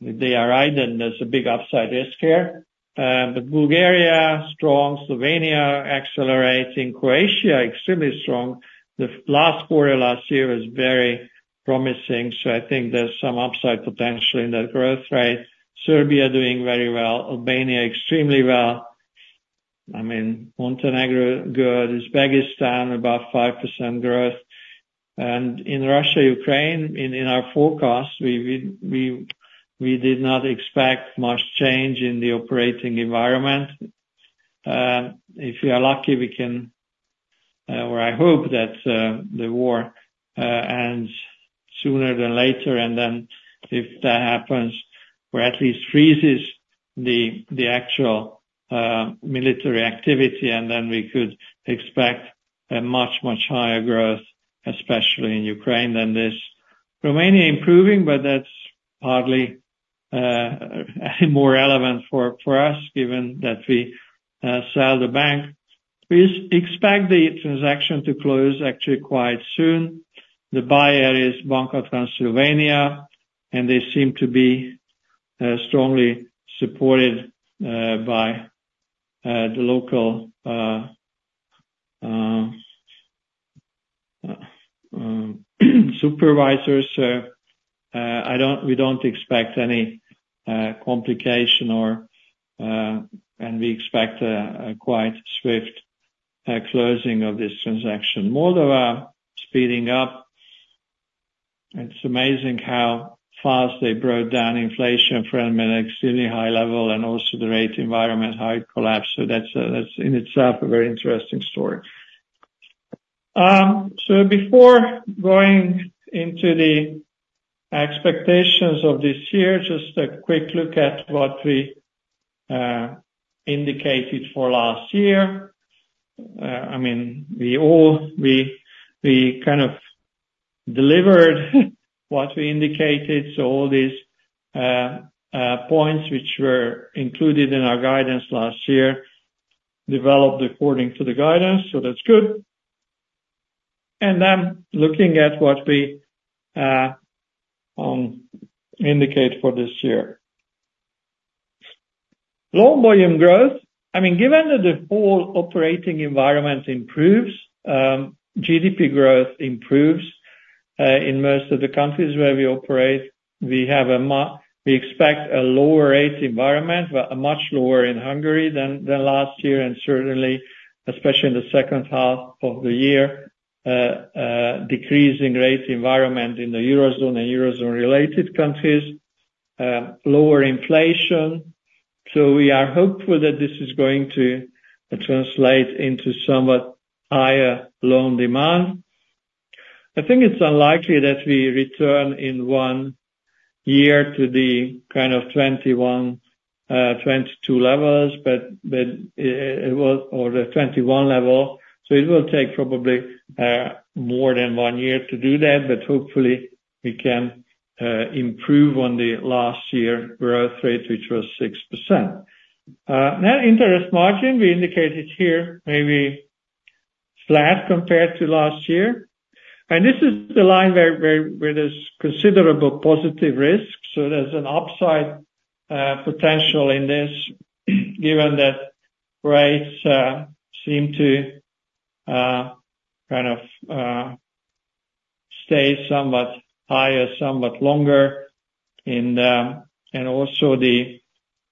they are right that there's a big upside risk here. But Bulgaria, strong. Slovenia, accelerating. Croatia, extremely strong. The last quarter last year was very promising. So I think there's some upside potential in that growth rate. Serbia doing very well. Albania, extremely well. I mean, Montenegro, good. Uzbekistan, about 5% growth. In Russia, Ukraine, in our forecast, we did not expect much change in the operating environment. If we are lucky, we can or I hope that the war ends sooner than later. And then if that happens or at least freezes the actual military activity, and then we could expect a much, much higher growth, especially in Ukraine than this. Romania, improving, but that's hardly more relevant for us given that we sell the bank. We expect the transaction to close, actually, quite soon. The buyer is Banca Transilvania. And they seem to be strongly supported by the local supervisors. So we don't expect any complication. And we expect a quite swift closing of this transaction. Moldova speeding up. It's amazing how fast they broke down inflation from an extremely high level and also the rate environment, how it collapsed. So that's in itself a very interesting story. So before going into the expectations of this year, just a quick look at what we indicated for last year. I mean, we kind of delivered what we indicated. So all these points, which were included in our guidance last year, developed according to the guidance. So that's good. And then looking at what we indicate for this year. Loan volume growth. I mean, given that the whole operating environment improves, GDP growth improves in most of the countries where we operate. We expect a lower rate environment, but much lower in Hungary than last year. And certainly, especially in the H2 of the year, decreasing rate environment in the eurozone and eurozone-related countries, lower inflation. So we are hopeful that this is going to translate into somewhat higher loan demand. I think it's unlikely that we return in one year to the kind of 2021, 2022 levels, but it was or the 2021 level. So it will take probably more than one year to do that. But hopefully, we can improve on the last year growth rate, which was 6%. Now, interest margin, we indicated here maybe flat compared to last year. And this is the line where there's considerable positive risk. So there's an upside potential in this given that rates seem to kind of stay somewhat higher, somewhat longer. And also the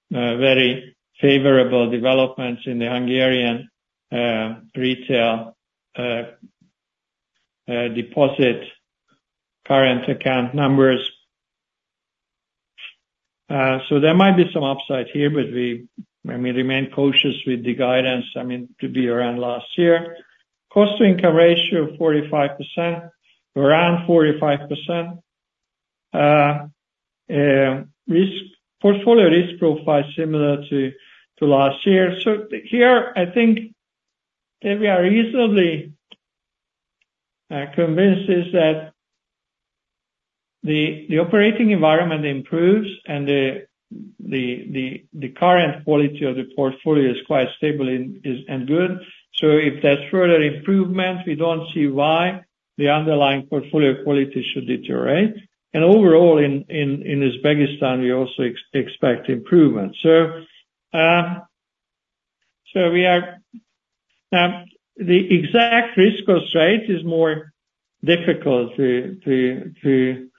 very favorable developments in the Hungarian retail deposit current account numbers. So there might be some upside here, but we, I mean, remain cautious with the guidance, I mean, to be around last year. Cost-to-income ratio 45%, around 45%. Portfolio risk profile similar to last year. So here, I think we are reasonably convinced that the operating environment improves. And the current quality of the portfolio is quite stable and good. So if there's further improvement, we don't see why the underlying portfolio quality should deteriorate. And overall, in Uzbekistan, we also expect improvement. So now, the exact risk cost rate is more difficult to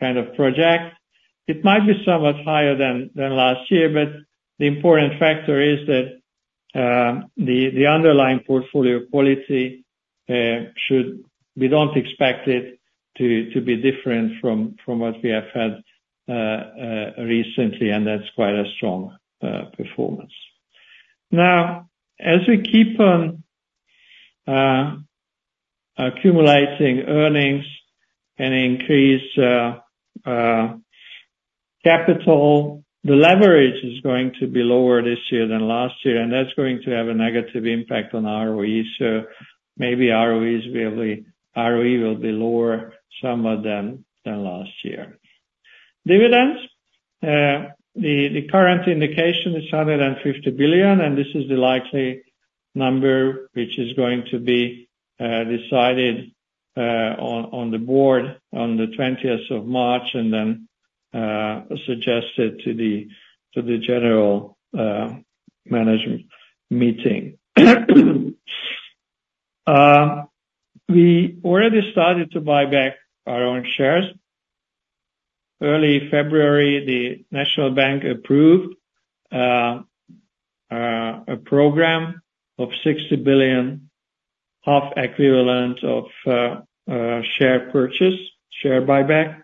kind of project. It might be somewhat higher than last year. But the important factor is that the underlying portfolio quality, we don't expect it to be different from what we have had recently. And that's quite a strong performance. Now, as we keep on accumulating earnings and increase capital, the leverage is going to be lower this year than last year. And that's going to have a negative impact on ROE. So maybe ROE will be lower somewhat than last year. Dividends. The current indication is 150 billion. This is the likely number, which is going to be decided on the board on the 20th of March and then suggested to the general management meeting. We already started to buy back our own shares. Early February, the National Bank approved a program of 60 billion, half equivalent of share purchase, share buyback.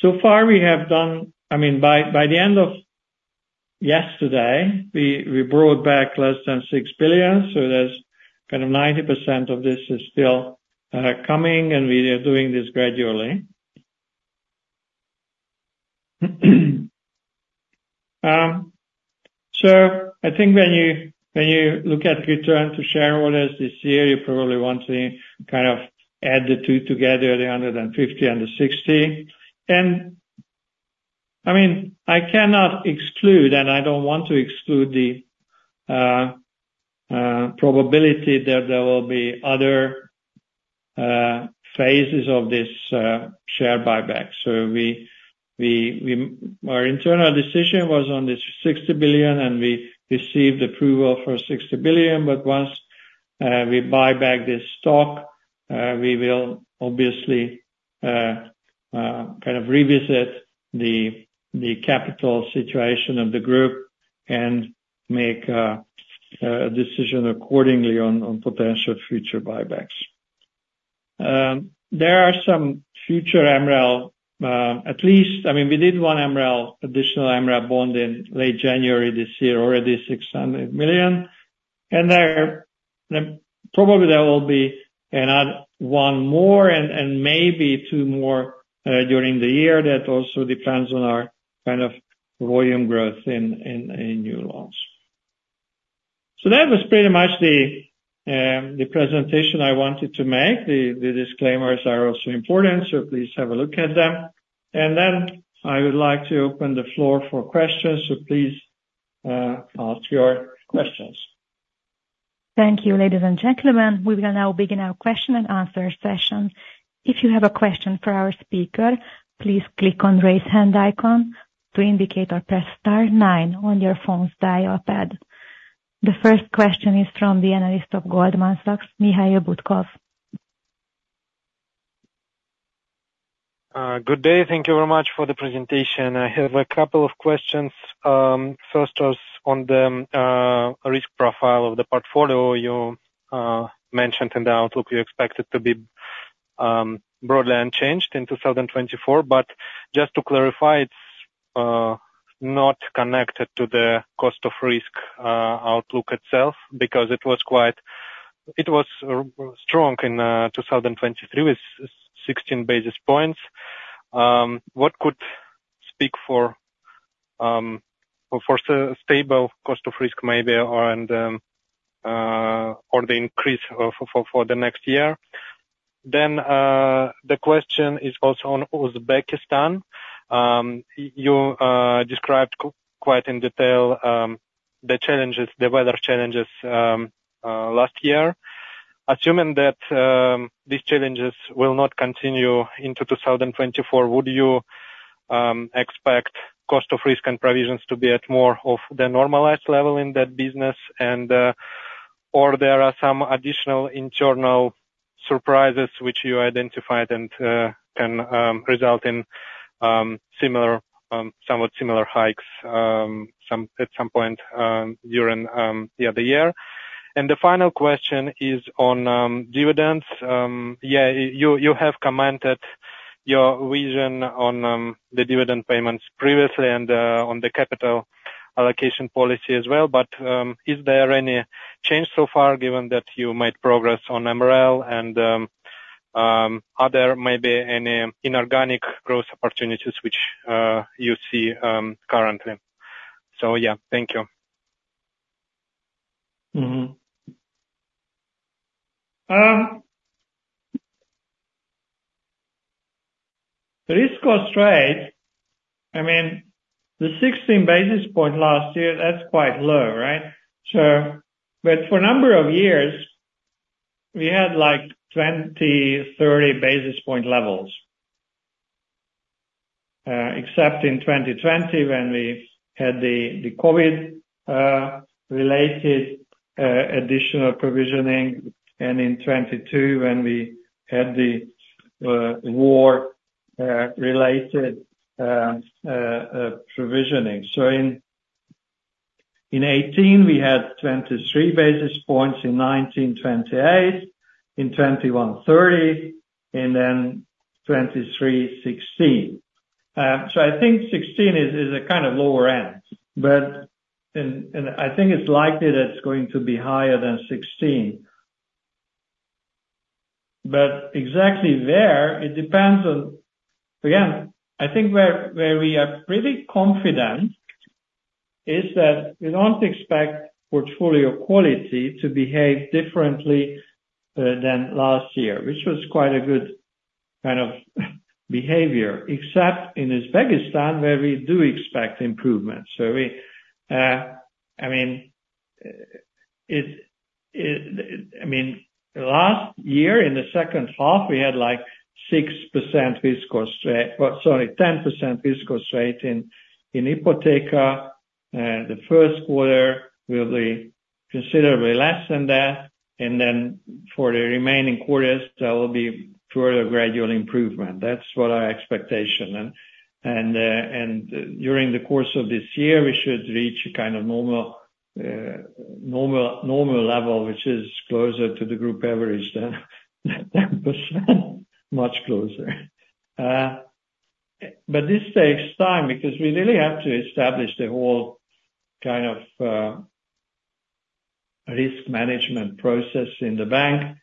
So far, we have done I mean, by the end of yesterday, we brought back less than 6 billion. So there's kind of 90% of this is still coming. And we are doing this gradually. So I think when you look at return to shareholders this year, you probably want to kind of add the two together, the 150 and the 60. And I mean, I cannot exclude and I don't want to exclude the probability that there will be other phases of this share buyback. So our internal decision was on this 60 billion. We received approval for 60 billion. But once we buy back this stock, we will obviously kind of revisit the capital situation of the group and make a decision accordingly on potential future buybacks. There are some future MREL, at least I mean, we did one additional MREL bond in late January this year, already 600 million. And probably there will be one more and maybe two more during the year. That also depends on our kind of volume growth in new loans. So that was pretty much the presentation I wanted to make. The disclaimers are also important. So please have a look at them. And then I would like to open the floor for questions. So please ask your questions. Thank you, ladies and gentlemen. We will now begin our question and answer session. If you have a question for our speaker, please click on the raise hand icon to indicate or press star 9 on your phone's dial pad. The first question is from the analyst of Goldman Sachs, Mikhail Butkov. Good day. Thank you very much for the presentation. I have a couple of questions. First was on the risk profile of the portfolio. You mentioned in the outlook you expect it to be broadly unchanged in 2024. But just to clarify, it's not connected to the cost of risk outlook itself because it was strong in 2023 with 16 basis points. What could speak for stable cost of risk maybe or the increase for the next year? Then the question is also on Uzbekistan. You described quite in detail the weather challenges last year. Assuming that these challenges will not continue into 2024, would you expect cost of risk and provisions to be at more of the normalized level in that business? Or there are some additional internal surprises which you identified and can result in somewhat similar hikes at some point during the year? The final question is on dividends. Yeah, you have commented your vision on the dividend payments previously and on the capital allocation policy as well. But is there any change so far given that you made progress on MREL? And are there maybe any inorganic growth opportunities which you see currently? So yeah, thank you. The risk cost rate, I mean, the 16 basis point last year, that's quite low, right? But for a number of years, we had like 20, 30 basis point levels, except in 2020 when we had the COVID-related additional provisioning and in 2022 when we had the war-related provisioning. So in 2018, we had 23 basis points. In 2019, 28. In 2021, 30. And then 2023, 16. So I think 16 is a kind of lower end. And I think it's likely that it's going to be higher than 16. But exactly there, it depends on again, I think where we are pretty confident is that we don't expect portfolio quality to behave differently than last year, which was quite a good kind of behavior, except in Uzbekistan where we do expect improvements. So I mean, last year, in the H2, we had like 6% risk cost rate sorry, 10% risk cost rate in Ipoteka. The Q1 will be considerably less than that. And then for the remaining quarters, there will be further gradual improvement. That's what our expectation. And during the course of this year, we should reach a kind of normal level, which is closer to the group average than 10%, much closer. But this takes time because we really have to establish the whole kind of risk management process in the bank.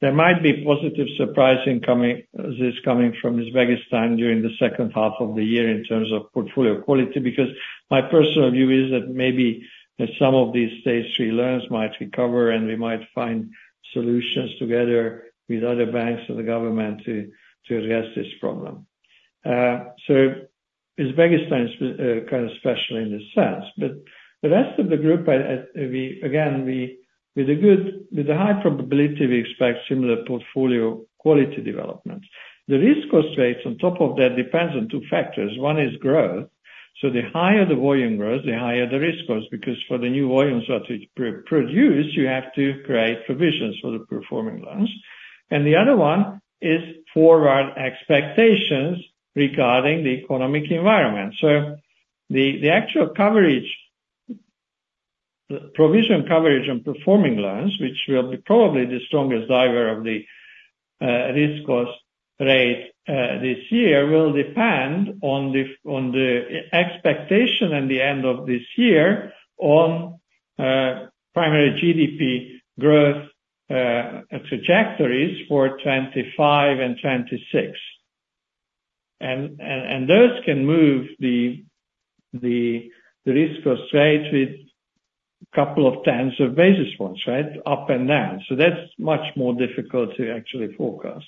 There might be positive surprises coming from Uzbekistan during the H2 of the year in terms of portfolio quality because my personal view is that maybe some of these Stage Three loans might recover. And we might find solutions together with other banks and the government to address this problem. So Uzbekistan is kind of special in this sense. But the rest of the group, again, with the high probability, we expect similar portfolio quality developments. The risk cost rate, on top of that, depends on two factors. One is growth. So the higher the volume grows, the higher the risk grows because for the new volumes that we produce, you have to create provisions for the performing loans. And the other one is forward expectations regarding the economic environment. So the actual provision coverage on performing loans, which will be probably the strongest driver of the risk cost rate this year, will depend on the expectation at the end of this year on primary GDP growth trajectories for 2025 and 2026. And those can move the risk cost rate with a couple of tens of basis points, right, up and down. So that's much more difficult to actually forecast.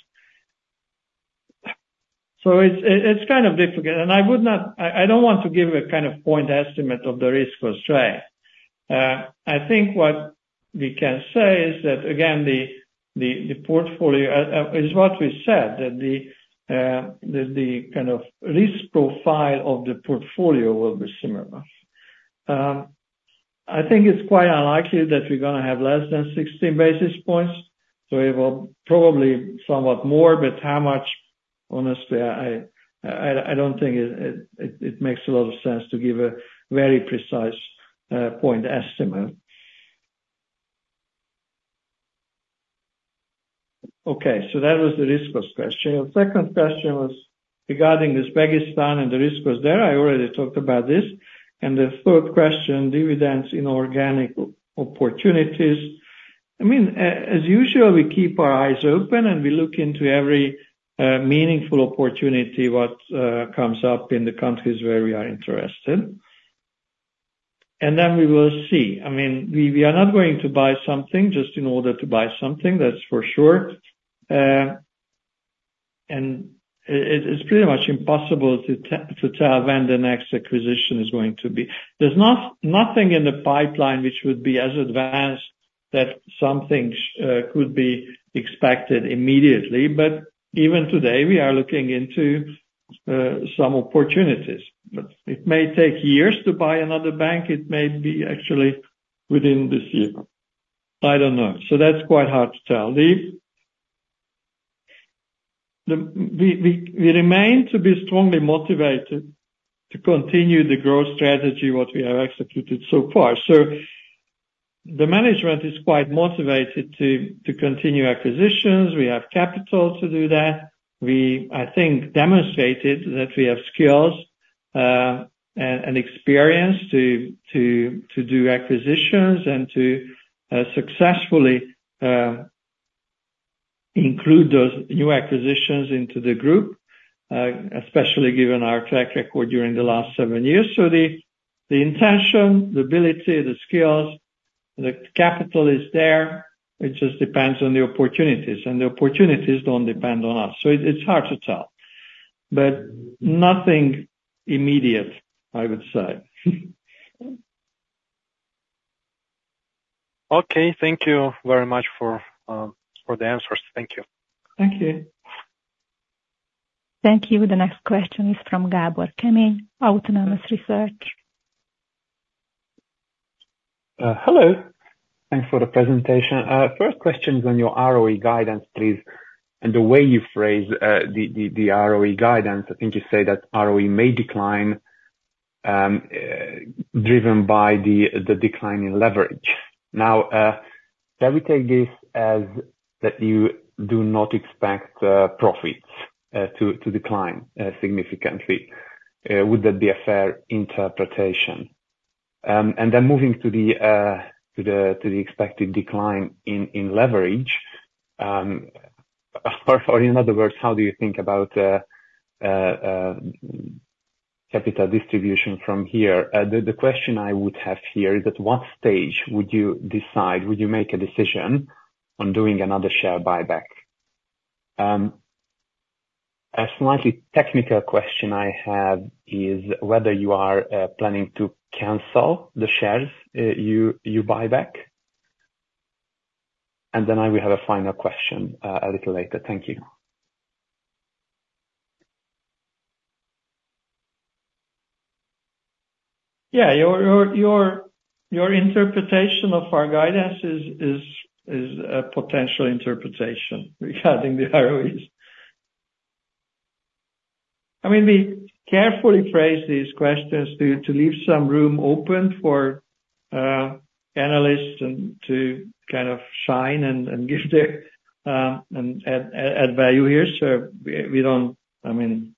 So it's kind of difficult. I don't want to give a kind of point estimate of the risk cost rate. I think what we can say is that, again, the portfolio is what we said, that the kind of risk profile of the portfolio will be similar. I think it's quite unlikely that we're going to have less than 16 basis points. So we will probably somewhat more. But how much, honestly, I don't think it makes a lot of sense to give a very precise point estimate. Okay. So that was the risk cost question. The second question was regarding Uzbekistan and the risk cost there. I already talked about this. The third question, dividends in organic opportunities. I mean, as usual, we keep our eyes open. We look into every meaningful opportunity what comes up in the countries where we are interested. And then we will see. I mean, we are not going to buy something just in order to buy something. That's for sure. And it's pretty much impossible to tell when the next acquisition is going to be. There's nothing in the pipeline which would be as advanced that something could be expected immediately. But even today, we are looking into some opportunities. But it may take years to buy another bank. It may be actually within this year. I don't know. So that's quite hard to tell. We remain to be strongly motivated to continue the growth strategy what we have executed so far. So the management is quite motivated to continue acquisitions. We have capital to do that. We, I think, demonstrated that we have skills and experience to do acquisitions and to successfully include those new acquisitions into the group, especially given our track record during the last seven years. So the intention, the ability, the skills, the capital is there. It just depends on the opportunities. And the opportunities don't depend on us. So it's hard to tell. But nothing immediate, I would say. Okay. Thank you very much for the answers. Thank you. Thank you. Thank you. The next question is from Gabor Kemeny, Autonomous Research. Hello. Thanks for the presentation. First question is on your ROE guidance, please, and the way you phrase the ROE guidance. I think you say that ROE may decline driven by the decline in leverage. Now, shall we take this as that you do not expect profits to decline significantly? Would that be a fair interpretation? And then moving to the expected decline in leverage, or in other words, how do you think about capital distribution from here? The question I would have here is at what stage would you make a decision on doing another share buyback? A slightly technical question I have is whether you are planning to cancel the shares you buy back. And then we have a final question a little later. Thank you. Yeah. Your interpretation of our guidance is a potential interpretation regarding the ROEs. I mean, we carefully phrase these questions to leave some room open for analysts and to kind of shine and give their add value here. So I mean,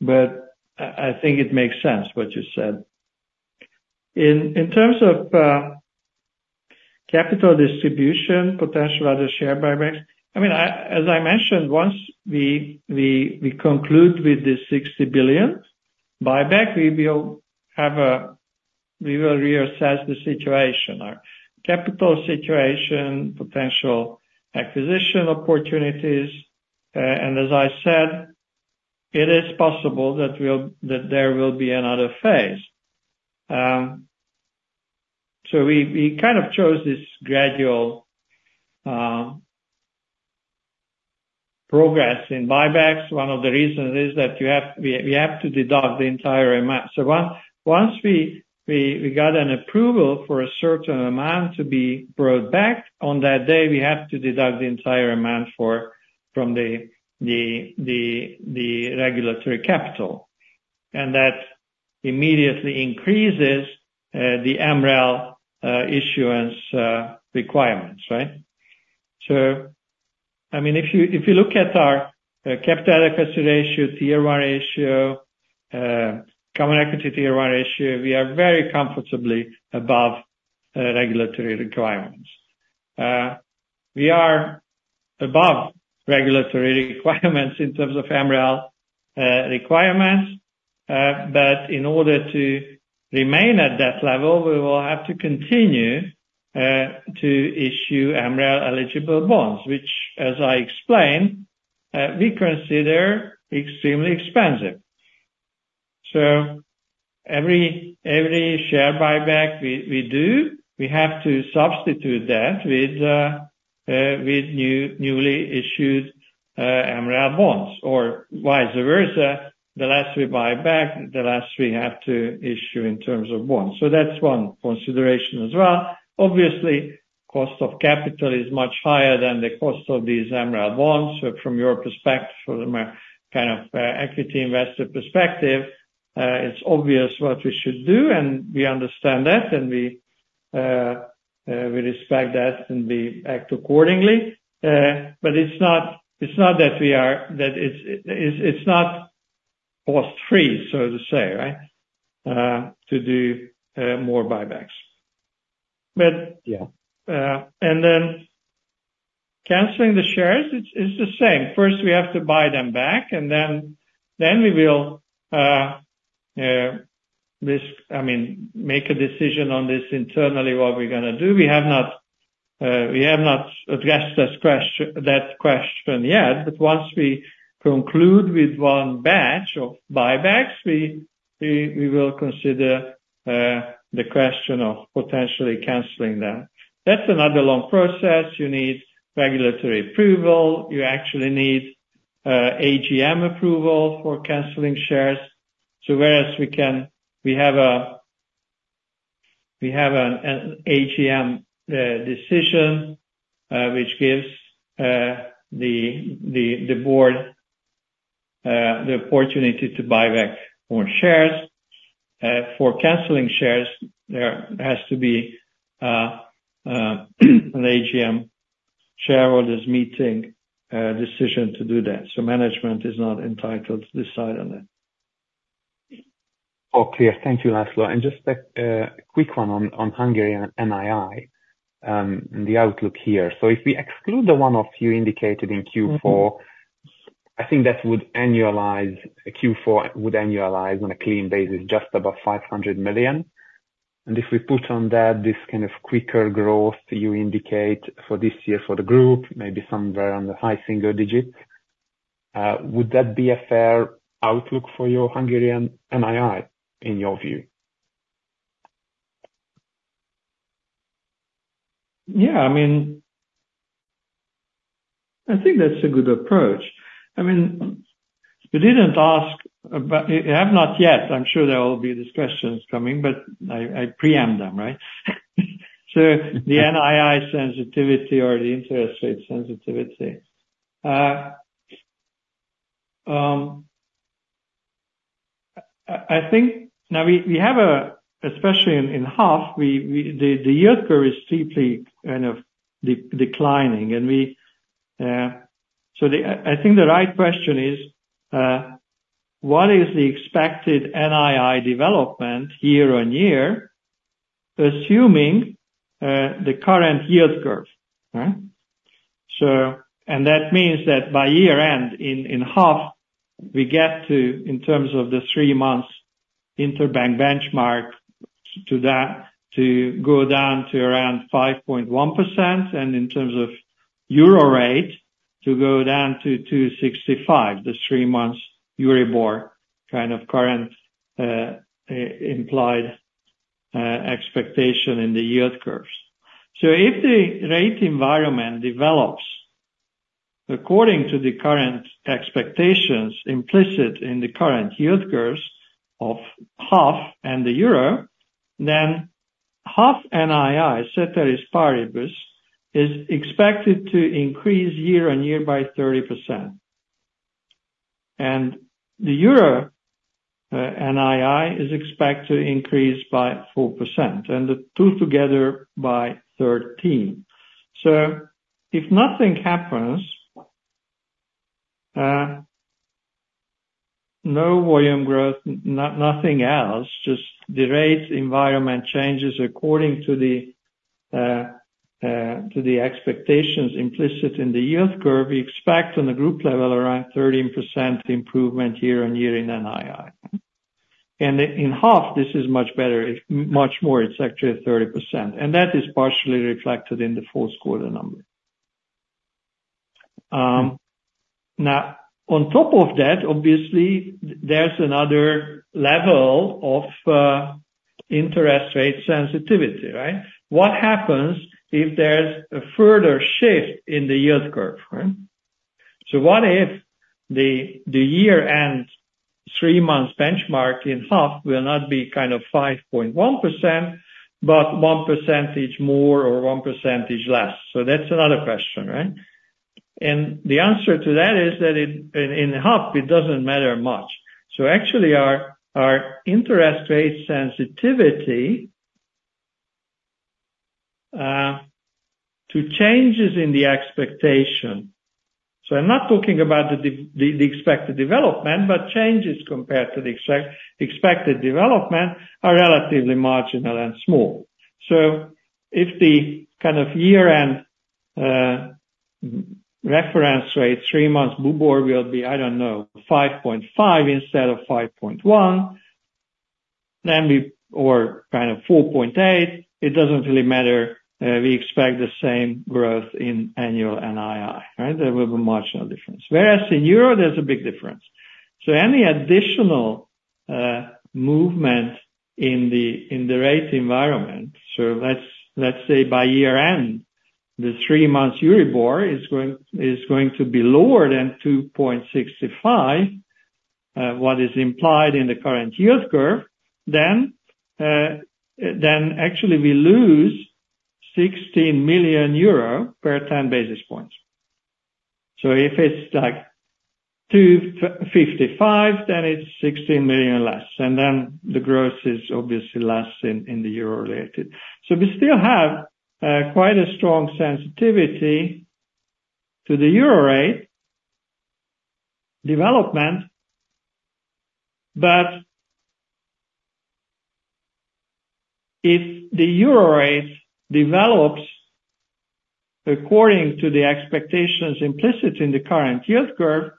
but I think it makes sense what you said. In terms of capital distribution, potential other share buybacks, I mean, as I mentioned, once we conclude with the 60 billion buyback, we will reassess the situation, our capital situation, potential acquisition opportunities. And as I said, it is possible that there will be another phase. So we kind of chose this gradual progress in buybacks. One of the reasons is that we have to deduct the entire amount. So once we got an approval for a certain amount to be brought back on that day, we have to deduct the entire amount from the regulatory capital. That immediately increases the MREL issuance requirements, right? So I mean, if you look at our capital equity ratio, tier one ratio, common equity tier one ratio, we are very comfortably above regulatory requirements. We are above regulatory requirements in terms of MREL requirements. But in order to remain at that level, we will have to continue to issue MREL eligible bonds, which, as I explained, we consider extremely expensive. So every share buyback we do, we have to substitute that with newly issued MREL bonds. Or vice versa. The less we buy back, the less we have to issue in terms of bonds. So that's one consideration as well. Obviously, cost of capital is much higher than the cost of these MREL bonds. So from your perspective, from a kind of equity investor perspective, it's obvious what we should do. And we understand that. And we respect that. We act accordingly. But it's not that it's not cost-free, so to say, right, to do more buybacks. Then canceling the shares, it's the same. First, we have to buy them back. Then we will, I mean, make a decision on this internally what we're going to do. We have not addressed that question yet. But once we conclude with one batch of buybacks, we will consider the question of potentially canceling them. That's another long process. You need regulatory approval. You actually need AGM approval for canceling shares. So whereas we have an AGM decision, which gives the board the opportunity to buy back more shares, for canceling shares, there has to be an AGM shareholders' meeting decision to do that. So management is not entitled to decide on that. Oh, clear. Thank you, László. And just a quick one on Hungary and NII and the outlook here. So if we exclude the one of you indicated in Q4, I think that would annualize Q4 on a clean basis just above 500 million. And if we put on that this kind of quicker growth you indicate for this year for the group, maybe somewhere on the high single digit, would that be a fair outlook for your Hungarian NII, in your view? Yeah. I mean, I think that's a good approach. I mean, you didn't ask about I have not yet. I'm sure there will be these questions coming. But I preempt them, right? So the NII sensitivity or the interest rate sensitivity. Now, we have a especially in HUF, the yield curve is steeply kind of declining. And so I think the right question is, what is the expected NII development quarter-over-quarter, assuming the current yield curve, right? And that means that by year-end, in HUF, we get to, in terms of the three-month interbank benchmark, to go down to around 5.1%. And in terms of euro rate, to go down to 2.65%, the three-month EURIBOR kind of current implied expectation in the yield curves. So if the rate environment develops according to the current expectations implicit in the current yield curves of HUF and the euro, then HUF NII, ceteris paribus, is expected to increase year-on-year by 30%. And the euro NII is expected to increase by 4%. And the two together by 13%. So if nothing happens, no volume growth, nothing else, just the rate environment changes according to the expectations implicit in the yield curve, we expect on the group level around 13% improvement year-on-year in NII. And in HUF, this is much better, much more. It's actually 30%. And that is partially reflected in the Q4 number. Now, on top of that, obviously, there's another level of interest rate sensitivity, right? What happens if there's a further shift in the yield curve, right? So what if the year-end three-month benchmark in HUF will not be kind of 5.1% but 1% more or 1% less? So that's another question, right? And the answer to that is that in HUF, it doesn't matter much. So actually, our interest rate sensitivity to changes in the expectation so I'm not talking about the expected development, but changes compared to the expected development are relatively marginal and small. So if the kind of year-end reference rate, three-month BUBOR will be, I don't know, 5.5% instead of 5.1% or kind of 4.8%, it doesn't really matter. We expect the same growth in annual NII, right? There will be marginal difference. Whereas in euro, there's a big difference. So any additional movement in the rate environment, so let's say by year-end, the three-month Euribor is going to be lower than 2.65, what is implied in the current yield curve, then actually, we lose 16 million euro per 10 basis points. So if it's like 2.55, then it's 16 million less. And then the growth is obviously less in the euro-related. So we still have quite a strong sensitivity to the euro rate development. But if the euro rate develops according to the expectations implicit in the current yield curve,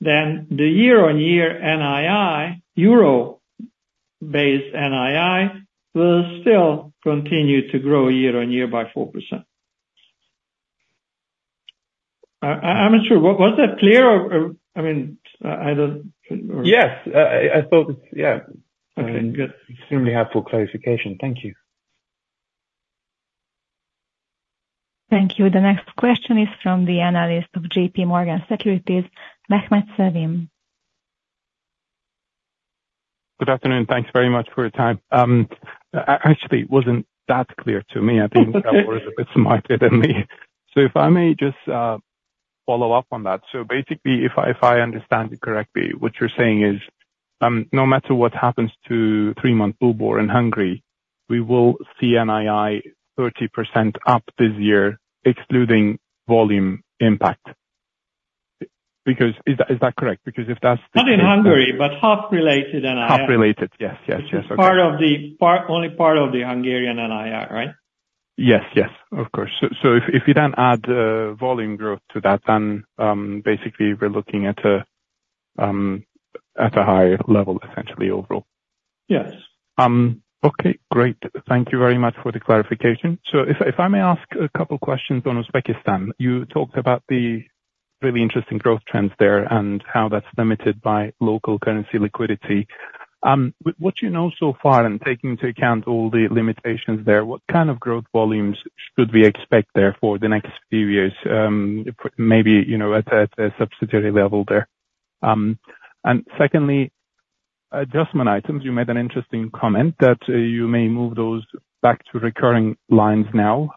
then the year-on-year NII, euro-based NII, will still continue to grow year on year by 4%. I'm not sure. Was that clear? I mean, I don't or. Yes. I thought it's yeah. Okay. Good. Extremely helpful clarification. Thank you. Thank you. The next question is from the analyst of JP Morgan Securities, Mehmet Sevim. Good afternoon. Thanks very much for your time. Actually, it wasn't that clear to me. I think Gabor is a bit smarter than me. So if I may just follow up on that. So basically, if I understand you correctly, what you're saying is, no matter what happens to three-month BUBOR in Hungary, we will see NII 30% up this year, excluding volume impact. Is that correct? Because if that's the. Not in Hungary, but Hof-related NII. Hof-related. Yes, yes, yes. Okay. It's only part of the Hungarian NII, right? Yes, yes, of course. So if you then add volume growth to that, then basically, we're looking at a higher level, essentially, overall. Yes. Okay. Great. Thank you very much for the clarification. So if I may ask a couple of questions on Uzbekistan. You talked about the really interesting growth trends there and how that's limited by local currency liquidity. With what you know so far and taking into account all the limitations there, what kind of growth volumes should we expect there for the next few years, maybe at a subsidiary level there? And secondly, adjustment items, you made an interesting comment that you may move those back to recurring lines now.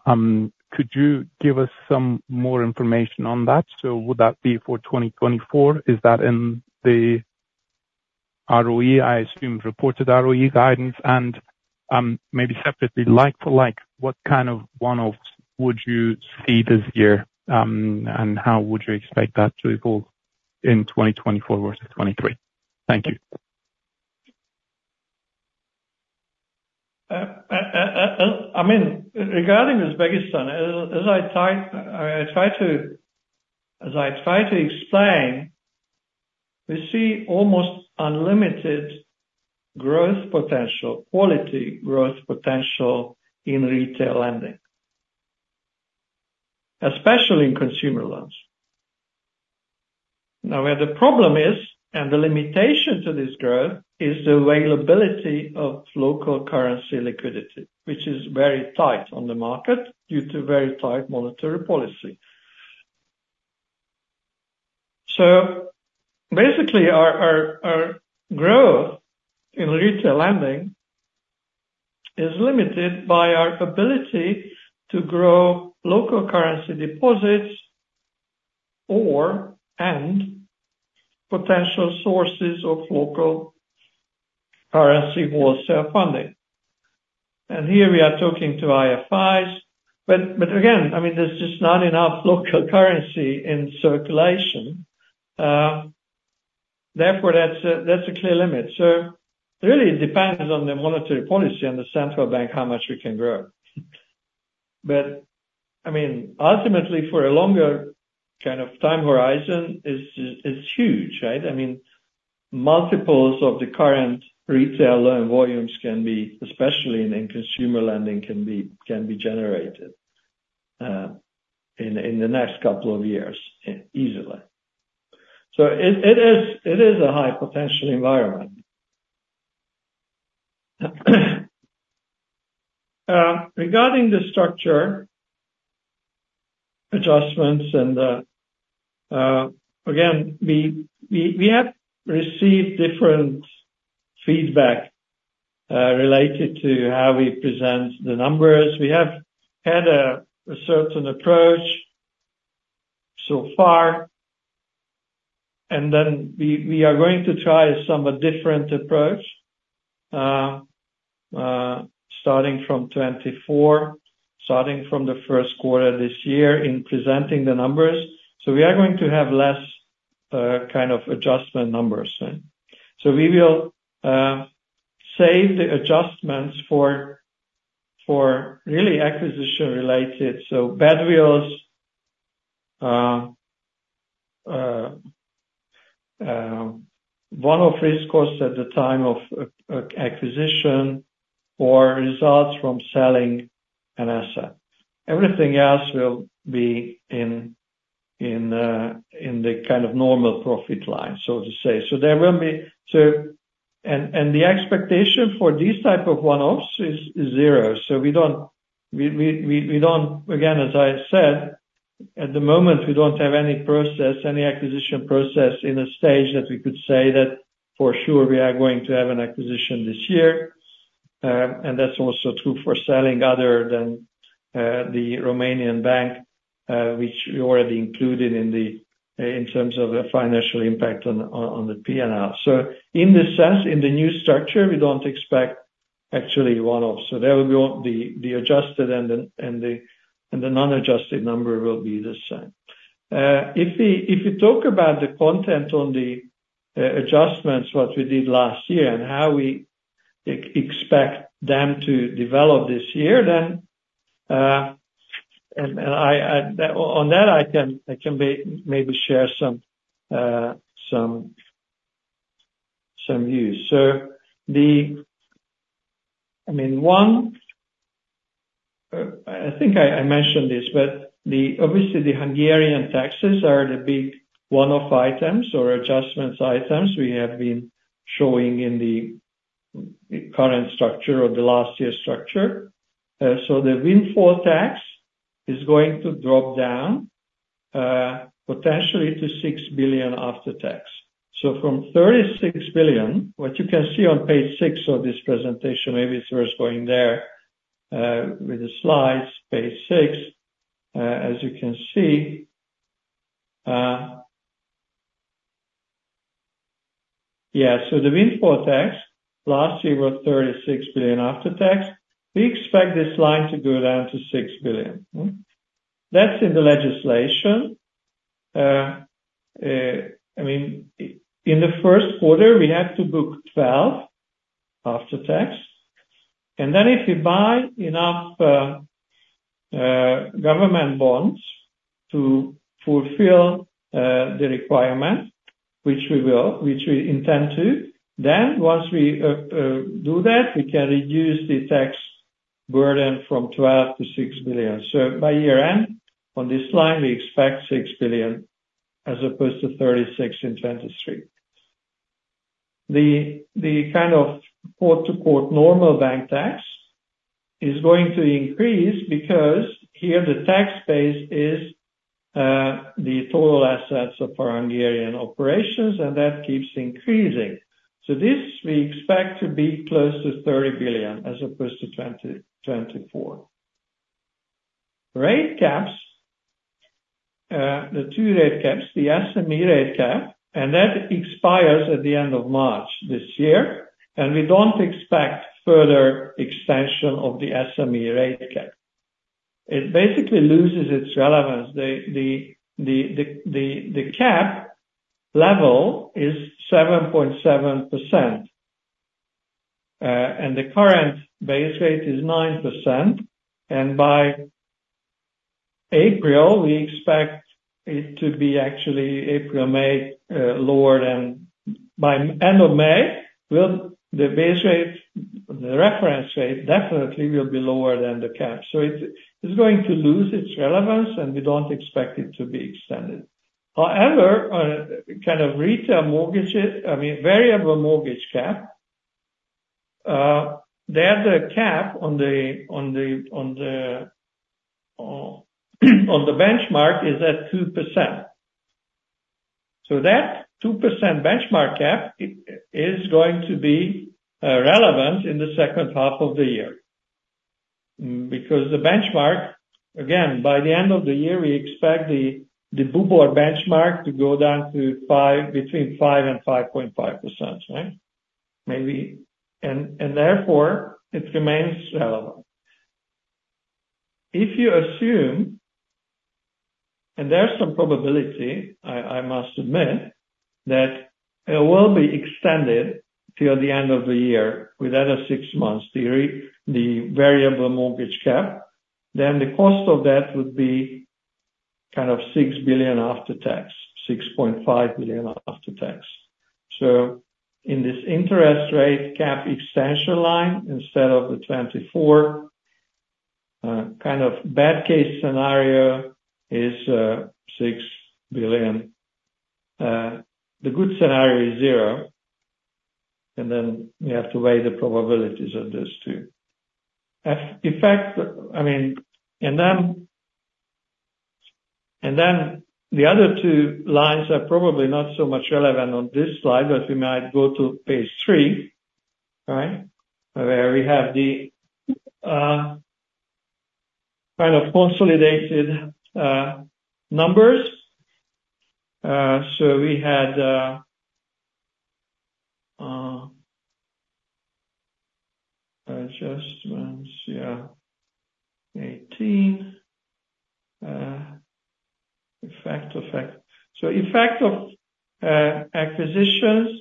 Could you give us some more information on that? So would that be for 2024? Is that in the ROE, I assume, reported ROE guidance? And maybe separately, like for like, what kind of one-offs would you see this year? And how would you expect that to evolve in 2024 versus 2023? Thank you. I mean, regarding Uzbekistan, as I try to explain, we see almost unlimited growth potential, quality growth potential in retail lending, especially in consumer loans. Now, where the problem is and the limitation to this growth is the availability of local currency liquidity, which is very tight on the market due to very tight monetary policy. So basically, our growth in retail lending is limited by our ability to grow local currency deposits and potential sources of local currency wholesale funding. And here, we are talking to IFIs. But again, I mean, there's just not enough local currency in circulation. Therefore, that's a clear limit. So it really depends on the monetary policy and the central bank, how much we can grow. But I mean, ultimately, for a longer kind of time horizon, it's huge, right? I mean, multiples of the current retail loan volumes can be, especially in consumer lending, can be generated in the next couple of years easily. So it is a high-potential environment. Regarding the structural adjustments and again, we have received different feedback related to how we present the numbers. We have had a certain approach so far. And then we are going to try a somewhat different approach starting from 2024, starting from the Q1 this year in presenting the numbers. So we are going to have less kind of adjustment numbers, right? So we will save the adjustments for really acquisition-related, so badwill, one-off risk costs at the time of acquisition, or results from selling an asset. Everything else will be in the kind of normal profit line, so to say. So there will be so and the expectation for these type of one-offs is zero. So we don't again, as I said, at the moment, we don't have any process, any acquisition process in a stage that we could say that, for sure, we are going to have an acquisition this year. And that's also true for selling other than the Romanian bank, which we already included in terms of a financial impact on the P&L. So in this sense, in the new structure, we don't expect actually one-offs. So the adjusted and the non-adjusted number will be the same. If we talk about the content on the adjustments, what we did last year, and how we expect them to develop this year, then and on that, I can maybe share some views. So I mean, one I think I mentioned this, but obviously, the Hungarian taxes are the big one-off items or adjustments items we have been showing in the current structure or the last year's structure. So the windfall tax is going to drop down potentially to 6 billion after tax. So from 36 billion, what you can see on page 6 of this presentation maybe it's worth going there with the slides, page 6, as you can see. Yeah. So the windfall tax last year was 36 billion after tax. We expect this line to go down to 6 billion. That's in the legislation. I mean, in the Q1, we have to book 12 billion after tax. And then if we buy enough government bonds to fulfill the requirement, which we intend to, then once we do that, we can reduce the tax burden from 12 billion to 6 billion. By year-end, on this line, we expect 6 billion as opposed to 36 billion in 2023. The kind of court-to-court normal bank tax is going to increase because here, the tax base is the total assets of our Hungarian operations. That keeps increasing. This, we expect to be close to 30 billion as opposed to 2024. Rate caps, the two rate caps, the SME rate cap, and that expires at the end of March this year. We don't expect further extension of the SME rate cap. It basically loses its relevance. The cap level is 7.7%. The current base rate is 9%. By April, we expect it to be actually April, May lower than by end of May, the base rate, the reference rate definitely will be lower than the cap. It's going to lose its relevance. We don't expect it to be extended. However, kind of retail mortgage I mean, variable mortgage cap, there, the cap on the benchmark is at 2%. So that 2% benchmark cap is going to be relevant in the H2 of the year because the benchmark again, by the end of the year, we expect the BUBOR benchmark to go down to between 5%-5.5%, right? And therefore, it remains relevant. If you assume and there's some probability, I must admit, that it will be extended till the end of the year without a six-month theory, the variable mortgage cap, then the cost of that would be kind of 6 billion after tax, 6.5 billion after tax. So in this interest rate cap extension line instead of the 2024, kind of bad-case scenario is 6 billion. The good scenario is zero. Then we have to weigh the probabilities of this too. I mean, and then the other two lines are probably not so much relevant on this slide, but we might go to page 3, right, where we have the kind of consolidated numbers. So we had adjustments, yeah, 2018 effect, effect. So effect of acquisitions,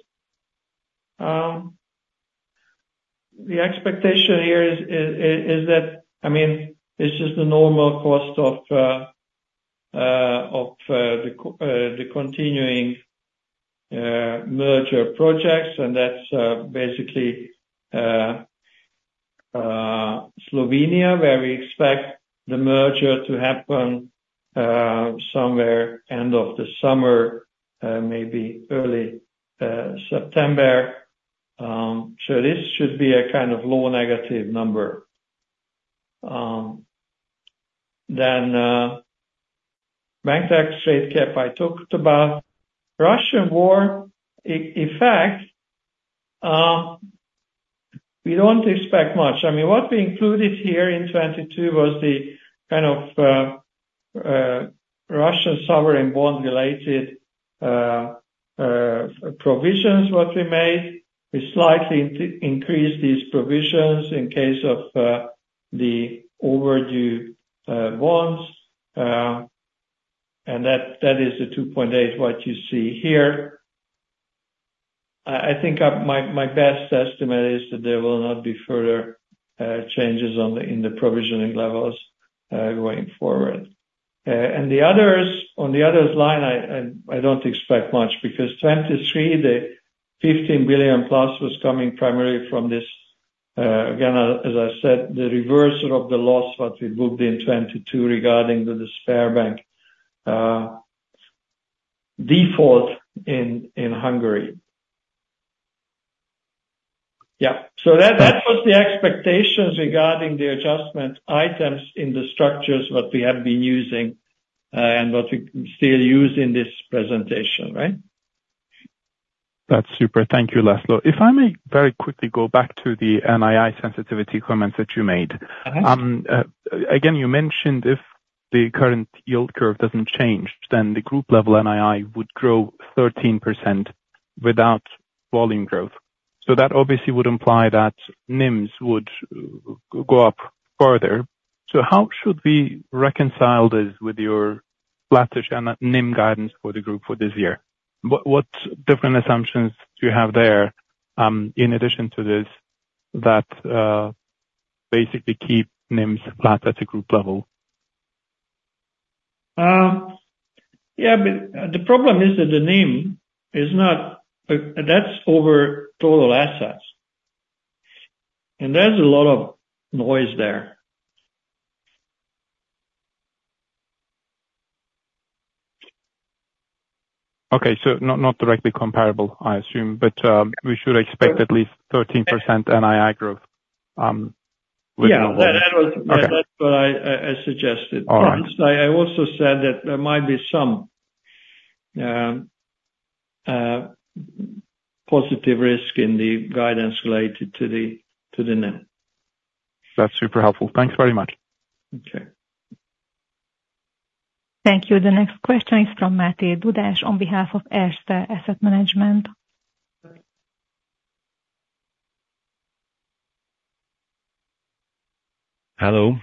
the expectation here is that I mean, it's just the normal cost of the continuing merger projects. And that's basically Slovenia, where we expect the merger to happen somewhere end of the summer, maybe early September. So this should be a kind of low-negative number. Then bank tax rate cap I talked about, Russian war, in fact, we don't expect much. I mean, what we included here in 2022 was the kind of Russian sovereign bond-related provisions, what we made. We slightly increased these provisions in case of the overdue bonds. That is the 2.8, what you see here. I think my best estimate is that there will not be further changes in the provisioning levels going forward. On the other line, I don't expect much because 2023, the 15 billion-plus was coming primarily from this, again, as I said, the reversal of the loss what we booked in 2022 regarding the Sberbank default in Hungary. Yeah. So that was the expectations regarding the adjustment items in the structures what we have been using and what we still use in this presentation, right? That's super. Thank you, László. If I may very quickly go back to the NII sensitivity comments that you made. Again, you mentioned if the current yield curve doesn't change, then the group-level NII would grow 13% without volume growth. So that obviously would imply that NIMS would go up further. So how should we reconcile this with your flatish NIM guidance for the group for this year? What different assumptions do you have there in addition to this that basically keep NIMS flat at a group level? Yeah. But the problem is that the NIM is not. That's over total assets. And there's a lot of noise there. Okay. So not directly comparable, I assume. But we should expect at least 13% NII growth within a whole year. Yeah. That's what I suggested. I also said that there might be some positive risk in the guidance related to the NIM. That's super helpful. Thanks very much. Okay. Thank you. The next question is from Maté Dudás on behalf of Erste Asset Management. Hello.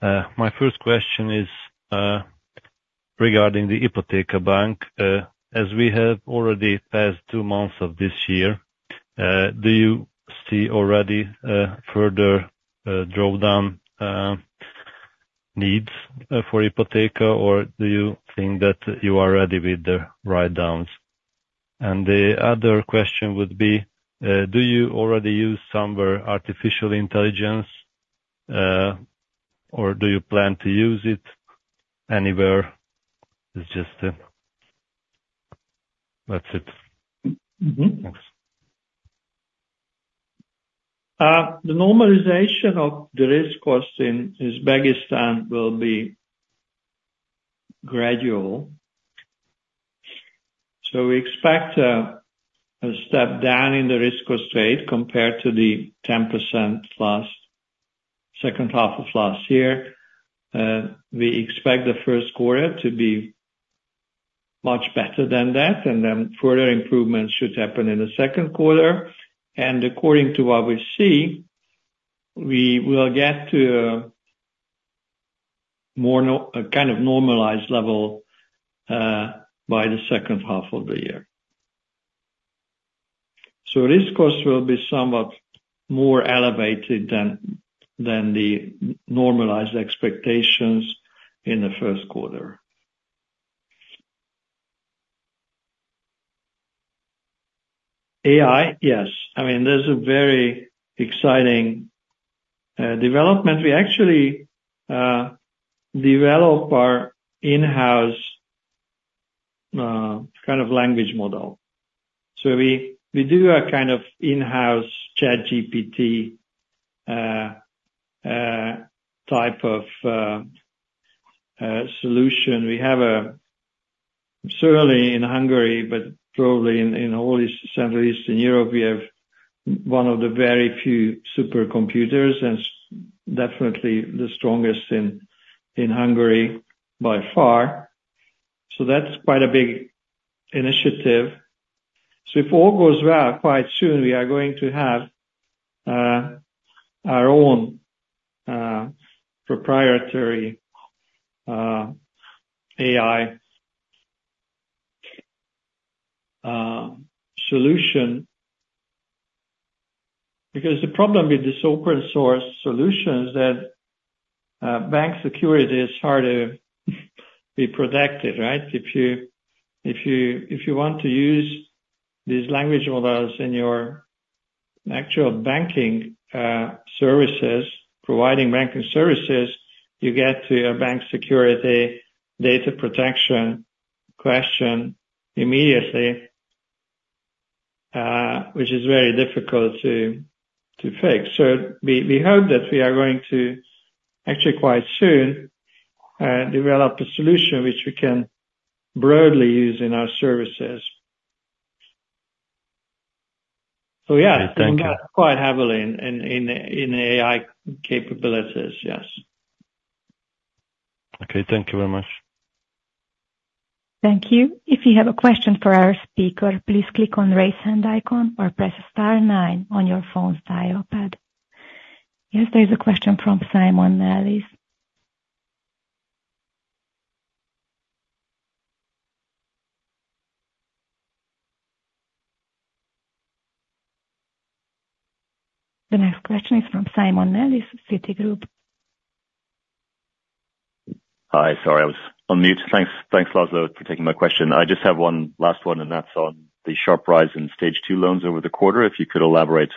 My first question is regarding the Ipoteka Bank. As we have already passed two months of this year, do you see already further drawdown needs for Ipoteka, or do you think that you are ready with the write-downs? The other question would be, do you already use somewhere artificial intelligence, or do you plan to use it anywhere? That's it. Thanks. The normalization of the risk cost in Uzbekistan will be gradual. So we expect a step down in the risk cost rate compared to the 10% H2 of last year. We expect the Q1 to be much better than that. And then further improvements should happen in the Q2. And according to what we see, we will get to a kind of normalized level by the H2 of the year. So risk costs will be somewhat more elevated than the normalized expectations in the Q1. AI, yes. I mean, there's a very exciting development. We actually develop our in-house kind of language model. So we do a kind of in-house ChatGPT type of solution. Certainly in Hungary, but probably in all of Central Eastern Europe, we have one of the very few supercomputers and definitely the strongest in Hungary by far. So that's quite a big initiative. So if all goes well quite soon, we are going to have our own proprietary AI solution because the problem with this open-source solution is that bank security is hard to be protected, right? If you want to use these language models in your actual banking services, providing banking services, you get to a bank security data protection question immediately, which is very difficult to fix. So we hope that we are going to actually quite soon develop a solution which we can broadly use in our services. So yeah, we'll invest quite heavily in AI capabilities, yes. Okay. Thank you very much. Thank you. If you have a question for our speaker, please click on the raise hand icon or press star 9 on your phone's dial pad. Yes, there is a question from Simon Nellis. The next question is from Simon Nellis, Citigroup. Hi. Sorry, I was on mute. Thanks, László, for taking my question. I just have one last one, and that's on the sharp rise in stage two loans over the quarter, if you could elaborate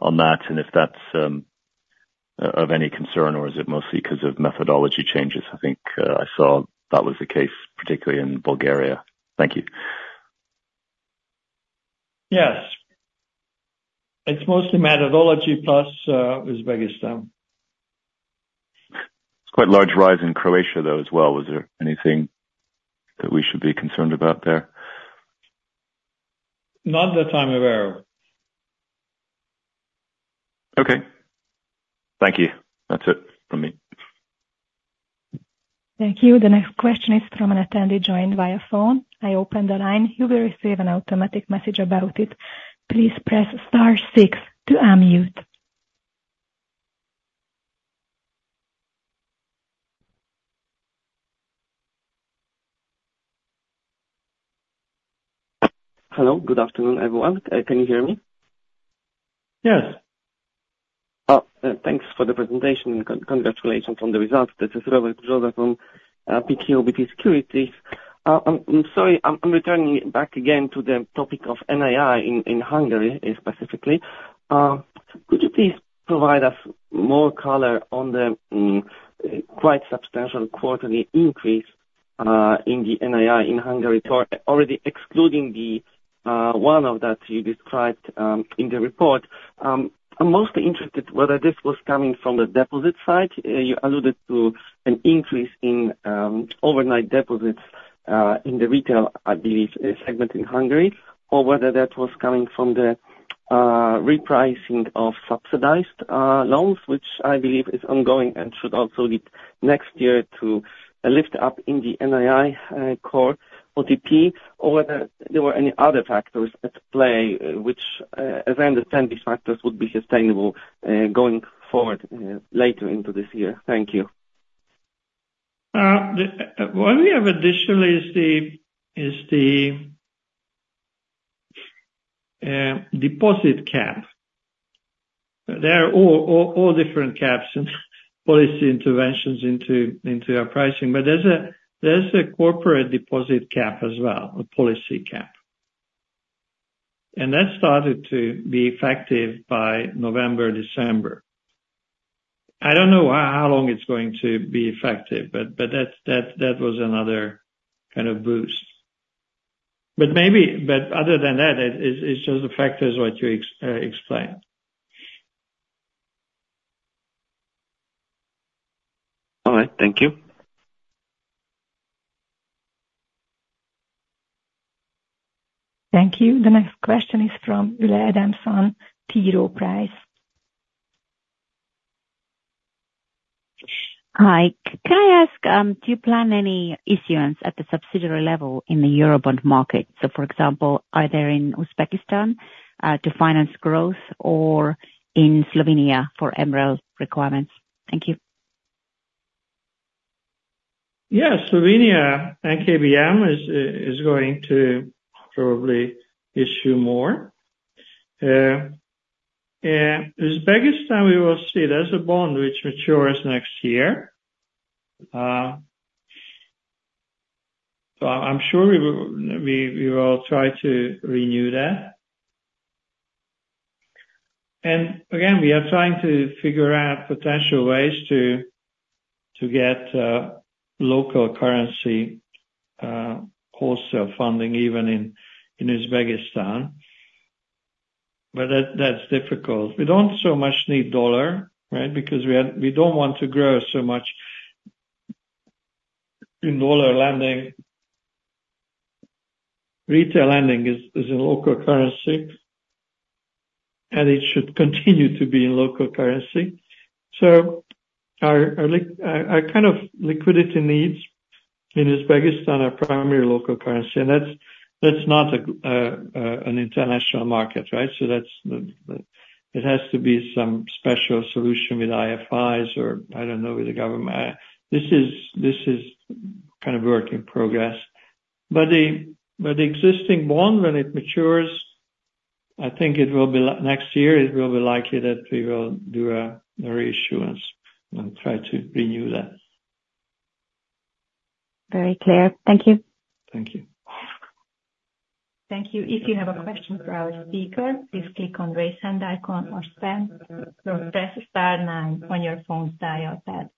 on that and if that's of any concern, or is it mostly because of methodology changes? I think I saw that was the case, particularly in Bulgaria. Thank you. Yes. It's mostly methodology plus Uzbekistan. It's quite a large rise in Croatia, though, as well. Was there anything that we should be concerned about there? Not that I'm aware of. Okay. Thank you. That's it from me. Thank you. The next question is from an attendee joined via phone. I opened the line. You will receive an automatic message about it. Please press star 6 to unmute. Hello. Good afternoon, everyone. Can you hear me? Yes. Thanks for the presentation and congratulations on the results. This is Robert Brzoza from PKO BP Securities. I'm sorry. I'm returning back again to the topic of NII in Hungary specifically. Could you please provide us more color on the quite substantial quarterly increase in the NII in Hungary, already excluding one of that you described in the report? I'm mostly interested whether this was coming from the deposit side. You alluded to an increase in overnight deposits in the retail, I believe, segment in Hungary, or whether that was coming from the repricing of subsidized loans, which I believe is ongoing and should also lead next year to lift up in the NII core OTP, or whether there were any other factors at play, which, as I understand, these factors would be sustainable going forward later into this year. Thank you. What we have additionally is the deposit cap. There are all different caps in policy interventions into our pricing, but there's a corporate deposit cap as well, a policy cap. That started to be effective by November, December. I don't know how long it's going to be effective, but that was another kind of boost. But other than that, it's just the factors what you explained. All right. Thank you. Thank you. The next question is from Ülle Adamson, T. Rowe Price. Hi. Can I ask, do you plan any issuance at the subsidiary level in the Eurobond market? For example, are they in Uzbekistan to finance growth or in Slovenia for MREL requirements? Thank you. Yes. Slovenian NKBM is going to probably issue more. Uzbekistan, we will see there's a bond which matures next year. So I'm sure we will try to renew that. And again, we are trying to figure out potential ways to get local currency wholesale funding even in Uzbekistan, but that's difficult. We don't so much need dollar, right, because we don't want to grow so much in dollar lending. Retail lending is in local currency, and it should continue to be in local currency. So our kind of liquidity needs in Uzbekistan are primary local currency. And that's not an international market, right? So it has to be some special solution with IFIs or, I don't know, with the government. This is kind of work in progress. The existing bond, when it matures, I think next year, it will be likely that we will do a reissuance and try to renew that. Very clear. Thank you. Thank you. Thank you. If you have a question for our speaker, please click on the raise hand icon or spam or press star 9 on your phone's dial pad.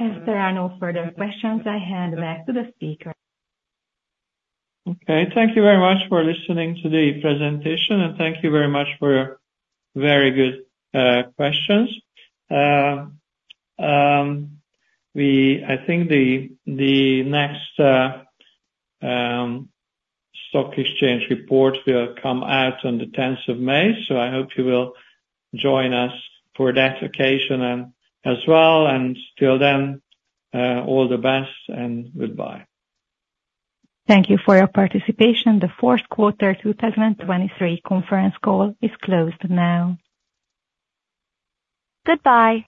As there are no further questions, I hand back to the speaker. Okay. Thank you very much for listening to the presentation, and thank you very much for your very good questions. I think the next stock exchange report will come out on the 10th of May. I hope you will join us for that occasion as well. Till then, all the best and goodbye. Thank you for your participation. The Q4 2023 conference call is closed now. Goodbye.